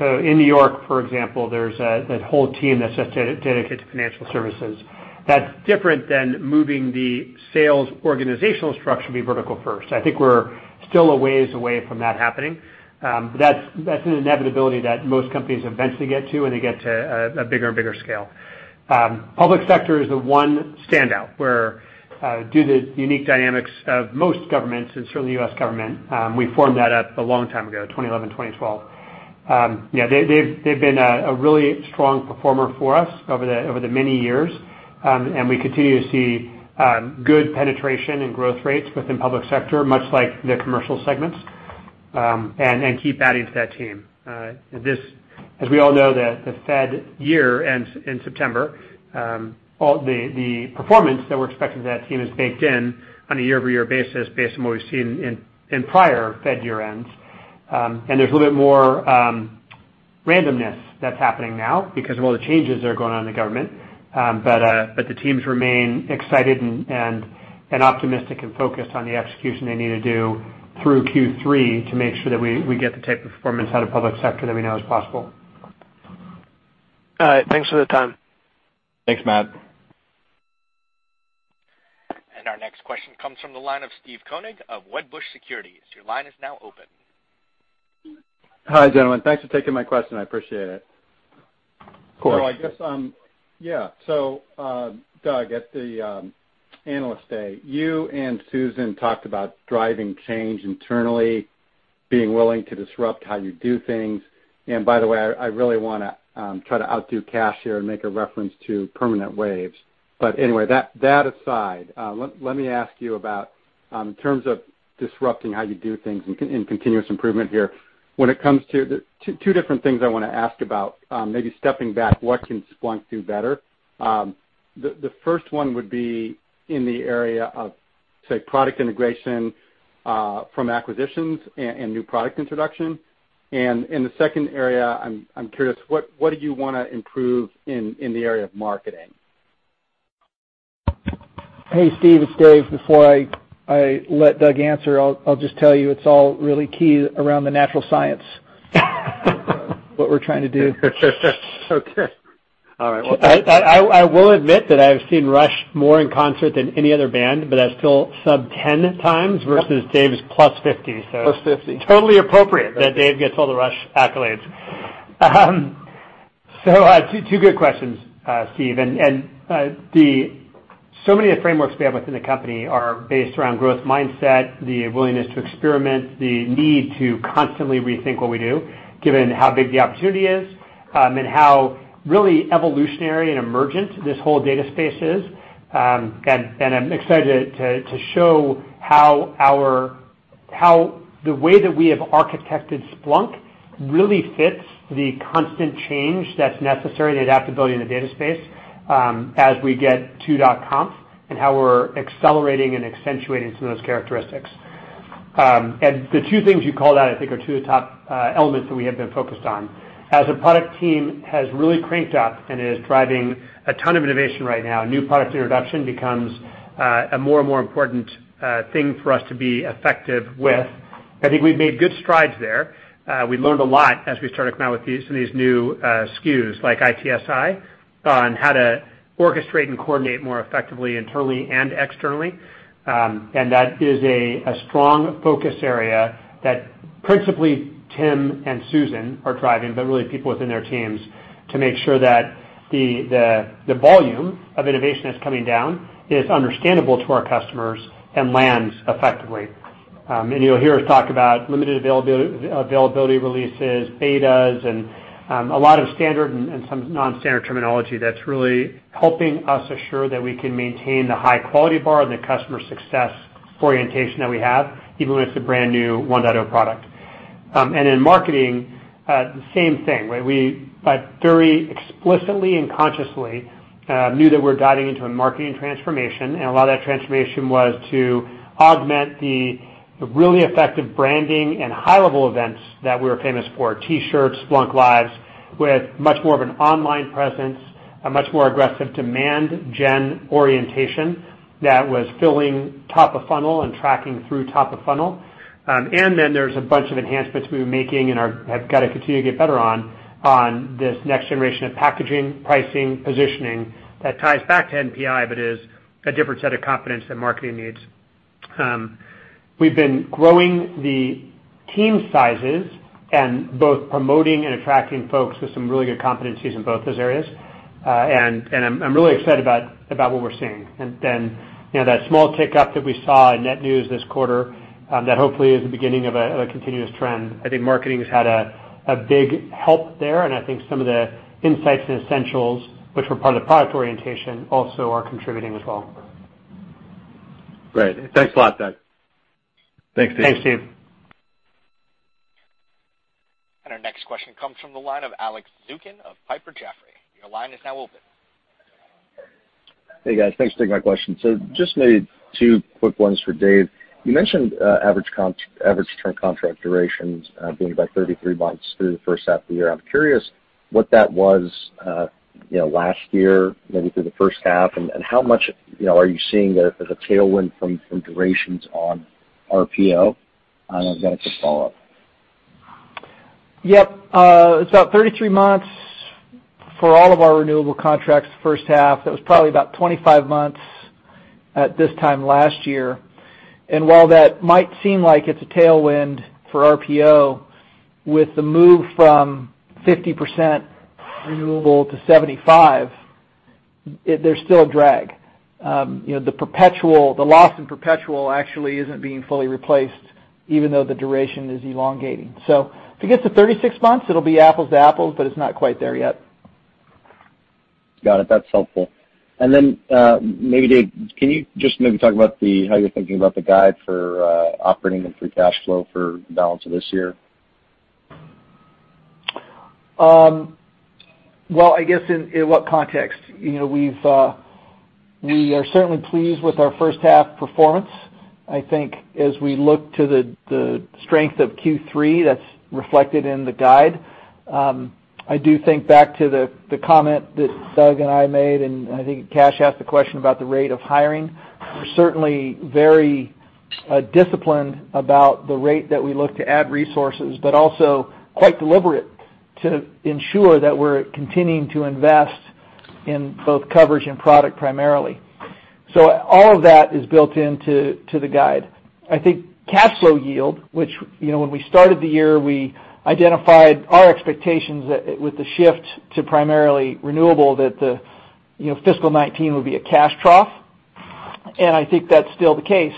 C: In New York, for example, there's a whole team that's just dedicated to financial services. That's different than moving the sales organizational structure to be vertical first. I think we're still a ways away from that happening. That's an inevitability that most companies eventually get to when they get to a bigger and bigger scale. Public sector is the one standout where, due to the unique dynamics of most governments and certainly U.S. government, we formed that up a long time ago, 2011, 2012. They've been a really strong performer for us over the many years. We continue to see good penetration and growth rates within public sector, much like the commercial segments, and keep adding to that team. As we all know, the Fed year ends in September. The performance that we're expecting from that team is baked in on a year-over-year basis based on what we've seen in prior Fed year ends. There's a little bit more randomness that's happening now because of all the changes that are going on in the government. The teams remain excited and optimistic and focused on the execution they need to do through Q3 to make sure that we get the type of performance out of public sector that we know is possible.
L: All right. Thanks for the time.
C: Thanks, Matt.
A: Our next question comes from the line of Steve Koenig of Wedbush Securities. Your line is now open.
M: Hi, gentlemen. Thanks for taking my question, I appreciate it.
C: Of course.
M: I guess, yeah. Doug, at the Analyst Day, you and Susan talked about driving change internally, being willing to disrupt how you do things, and by the way, I really want to try to outdo Kash here and make a reference to Permanent Waves. Anyway, that aside, let me ask you about, in terms of disrupting how you do things and continuous improvement here. Two different things I want to ask about. Maybe stepping back, what can Splunk do better? The first one would be in the area of, say, product integration from acquisitions and new product introduction. In the second area, I'm curious, what do you want to improve in the area of marketing?
D: Hey, Steve, it's Dave. Before I let Doug answer, I'll just tell you it's all really key around the natural science what we're trying to do. Okay. All right.
C: I will admit that I've seen Rush more in concert than any other band, but that's still sub 10 times versus Dave's plus 50.
M: Plus 50.
C: Totally appropriate that Dave gets all the Rush accolades. Two good questions, Steve. Many of the frameworks we have within the company are based around growth mindset, the willingness to experiment, the need to constantly rethink what we do given how big the opportunity is, and how really evolutionary and emergent this whole data space is. I'm excited to show how the way that we have architected Splunk really fits the constant change that's necessary, the adaptability in the data space as we get to .conf, and how we're accelerating and accentuating some of those characteristics. The two things you called out, I think, are two of the top elements that we have been focused on. As the product team has really cranked up and is driving a ton of innovation right now, new product introduction becomes a more and more important thing for us to be effective with. I think we've made good strides there. We learned a lot as we started to come out with some of these new SKUs, like ITSI, on how to orchestrate and coordinate more effectively, internally and externally. That is a strong focus area that principally Tim and Susan are driving, but really people within their teams to make sure that the volume of innovation that's coming down is understandable to our customers and lands effectively. You'll hear us talk about limited availability releases, betas, and a lot of standard and some non-standard terminology that's really helping us assure that we can maintain the high quality bar and the customer success orientation that we have, even when it's a brand new 1.0 product. In marketing, the same thing. We very explicitly and consciously knew that we're diving into a marketing transformation. A lot of that transformation was to augment the really effective branding and high-level events that we were famous for, T-shirts, SplunkLive!, with much more of an online presence, a much more aggressive demand gen orientation that was filling top of funnel and tracking through top of funnel. There's a bunch of enhancements we were making and have got to continue to get better on this next generation of packaging, pricing, positioning that ties back to NPI, but is a different set of competence that marketing needs. We've been growing the team sizes and both promoting and attracting folks with some really good competencies in both those areas. I'm really excited about what we're seeing. That small tick up that we saw in net new this quarter, that hopefully is the beginning of a continuous trend. I think marketing has had a big help there, and I think some of the Insights and Essentials, which were part of the product orientation, also are contributing as well.
M: Great. Thanks a lot, Doug.
D: Thanks, team.
C: Thanks, team.
A: Our next question comes from the line of Alex Zukin of Piper Jaffray. Your line is now open.
N: Hey, guys. Thanks for taking my question. Just maybe two quick ones for Dave. You mentioned average term contract durations being about 33 months through the first half of the year. I'm curious what that was last year, maybe through the first half, and how much are you seeing there as a tailwind from durations on RPO? I've got a quick follow-up.
D: Yep. It's about 33 months for all of our renewable contracts the first half. That was probably about 25 months at this time last year. While that might seem like it's a tailwind for RPO, with the move from 50% renewable to 75, there's still a drag. The loss in perpetual actually isn't being fully replaced, even though the duration is elongating. If it gets to 36 months, it'll be apples to apples, but it's not quite there yet.
N: Got it. That's helpful. Then maybe Dave, can you just maybe talk about how you're thinking about the guide for operating and free cash flow for the balance of this year?
D: Well, I guess in what context? We are certainly pleased with our first half performance. I think as we look to the strength of Q3, that's reflected in the guide. I do think back to the comment that Doug and I made. I think Kash asked the question about the rate of hiring. We're certainly very disciplined about the rate that we look to add resources, but also quite deliberate to ensure that we're continuing to invest in both coverage and product primarily. All of that is built into the guide. I think cash flow yield, which when we started the year, we identified our expectations that with the shift to primarily renewable, that the fiscal 2019 would be a cash trough. I think that's still the case.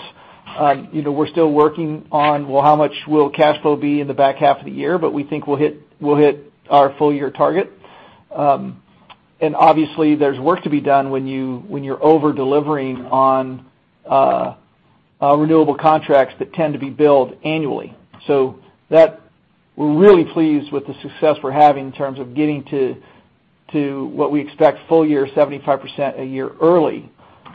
D: We're still working on, well, how much will cash flow be in the back half of the year, but we think we'll hit our full-year target. Obviously, there's work to be done when you're over-delivering on renewable contracts that tend to be billed annually. That, we're really pleased with the success we're having in terms of getting to what we expect full year 75% a year early.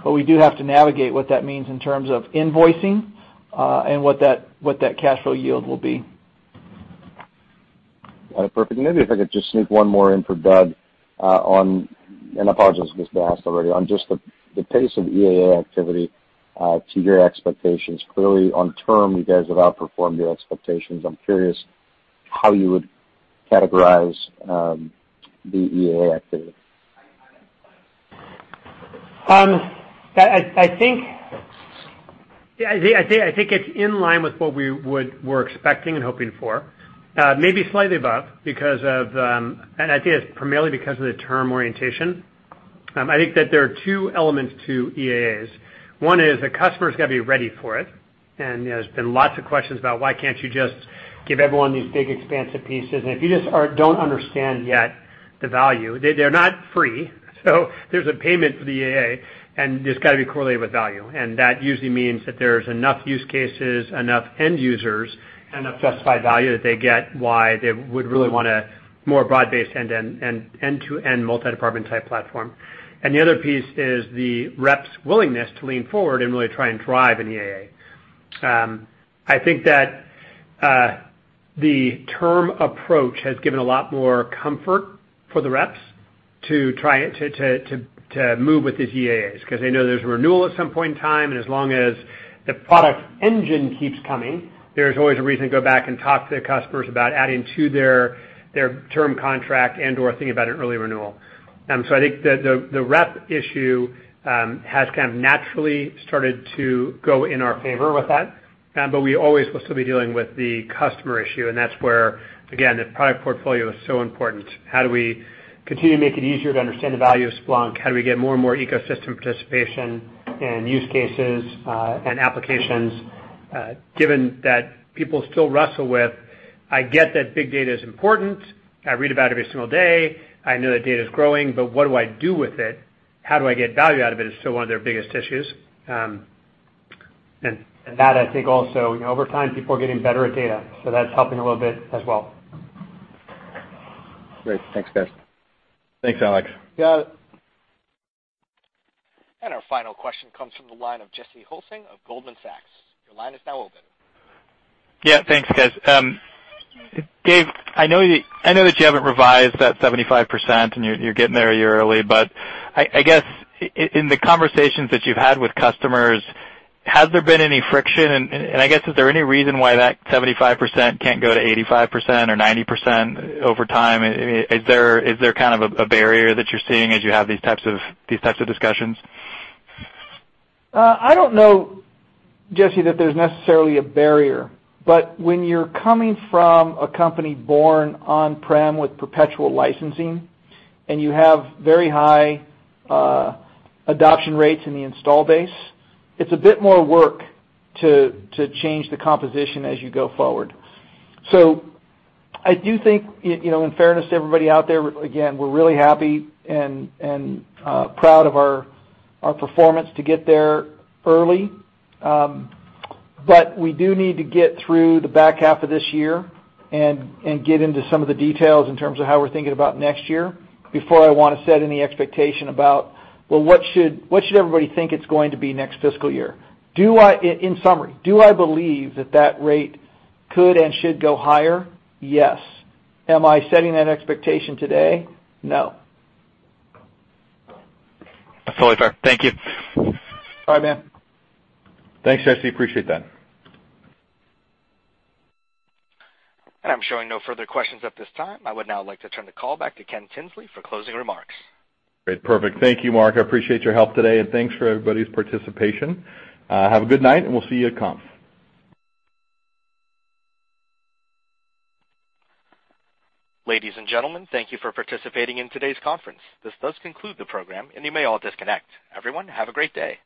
D: We do have to navigate what that means in terms of invoicing, and what that cash flow yield will be.
N: Got it. Perfect. Maybe if I could just sneak one more in for Doug on, and apologies if this was asked already, on just the pace of EAA activity to your expectations. Clearly on term, you guys have outperformed your expectations. I'm curious how you would categorize the EAA activity.
C: I think it's in line with what we were expecting and hoping for. Maybe slightly above because of, I think it's primarily because of the term orientation. I think that there are two elements to EAAs. One is the customer's got to be ready for it. There's been lots of questions about why can't you just give everyone these big expansive pieces. If you just don't understand yet the value. They're not free, so there's a payment for the EA, and it's got to be correlated with value. That usually means that there's enough use cases, enough end users, enough justified value that they get why they would really want a more broad-based end-to-end, multi-department type platform. The other piece is the rep's willingness to lean forward and really try and drive an EA. I think that the term approach has given a lot more comfort for the reps to try to move with these EAAs, because they know there's a renewal at some point in time, and as long as the product engine keeps coming, there's always a reason to go back and talk to the customers about adding to their term contract and/or thinking about an early renewal. I think the rep issue has kind of naturally started to go in our favor with that. We always will still be dealing with the customer issue, and that's where, again, the product portfolio is so important. How do we continue to make it easier to understand the value of Splunk? How do we get more and more ecosystem participation in use cases and applications, given that people still wrestle with, "I get that big data is important. I read about it every single day. I know that data is growing, but what do I do with it? How do I get value out of it?" is still one of their biggest issues. That I think also, over time, people are getting better at data, so that's helping a little bit as well.
N: Great. Thanks, guys.
B: Thanks, Alex.
C: You got it.
A: Our final question comes from the line of Jesse Hulsing of Goldman Sachs. Your line is now open.
O: Thanks, guys. Dave, I know that you haven't revised that 75%, you're getting there a year early, but I guess, in the conversations that you've had with customers, has there been any friction? I guess, is there any reason why that 75% can't go to 85% or 90% over time? Is there kind of a barrier that you're seeing as you have these types of discussions?
D: I don't know, Jesse, that there's necessarily a barrier. When you're coming from a company born on-prem with perpetual licensing and you have very high adoption rates in the install base, it's a bit more work to change the composition as you go forward. I do think, in fairness to everybody out there, again, we're really happy and proud of our performance to get there early. We do need to get through the back half of this year and get into some of the details in terms of how we're thinking about next year before I want to set any expectation about, well, what should everybody think it's going to be next fiscal year? In summary, do I believe that that rate could and should go higher? Yes. Am I setting that expectation today? No.
O: That's totally fair. Thank you.
D: Bye, man.
B: Thanks, Jesse. Appreciate that.
A: I'm showing no further questions at this time. I would now like to turn the call back to Ken Tinsley for closing remarks.
B: Great. Perfect. Thank you, Mark. I appreciate your help today, and thanks for everybody's participation. Have a good night, and we'll see you at .conf.
A: Ladies and gentlemen, thank you for participating in today's conference. This does conclude the program, and you may all disconnect. Everyone, have a great day.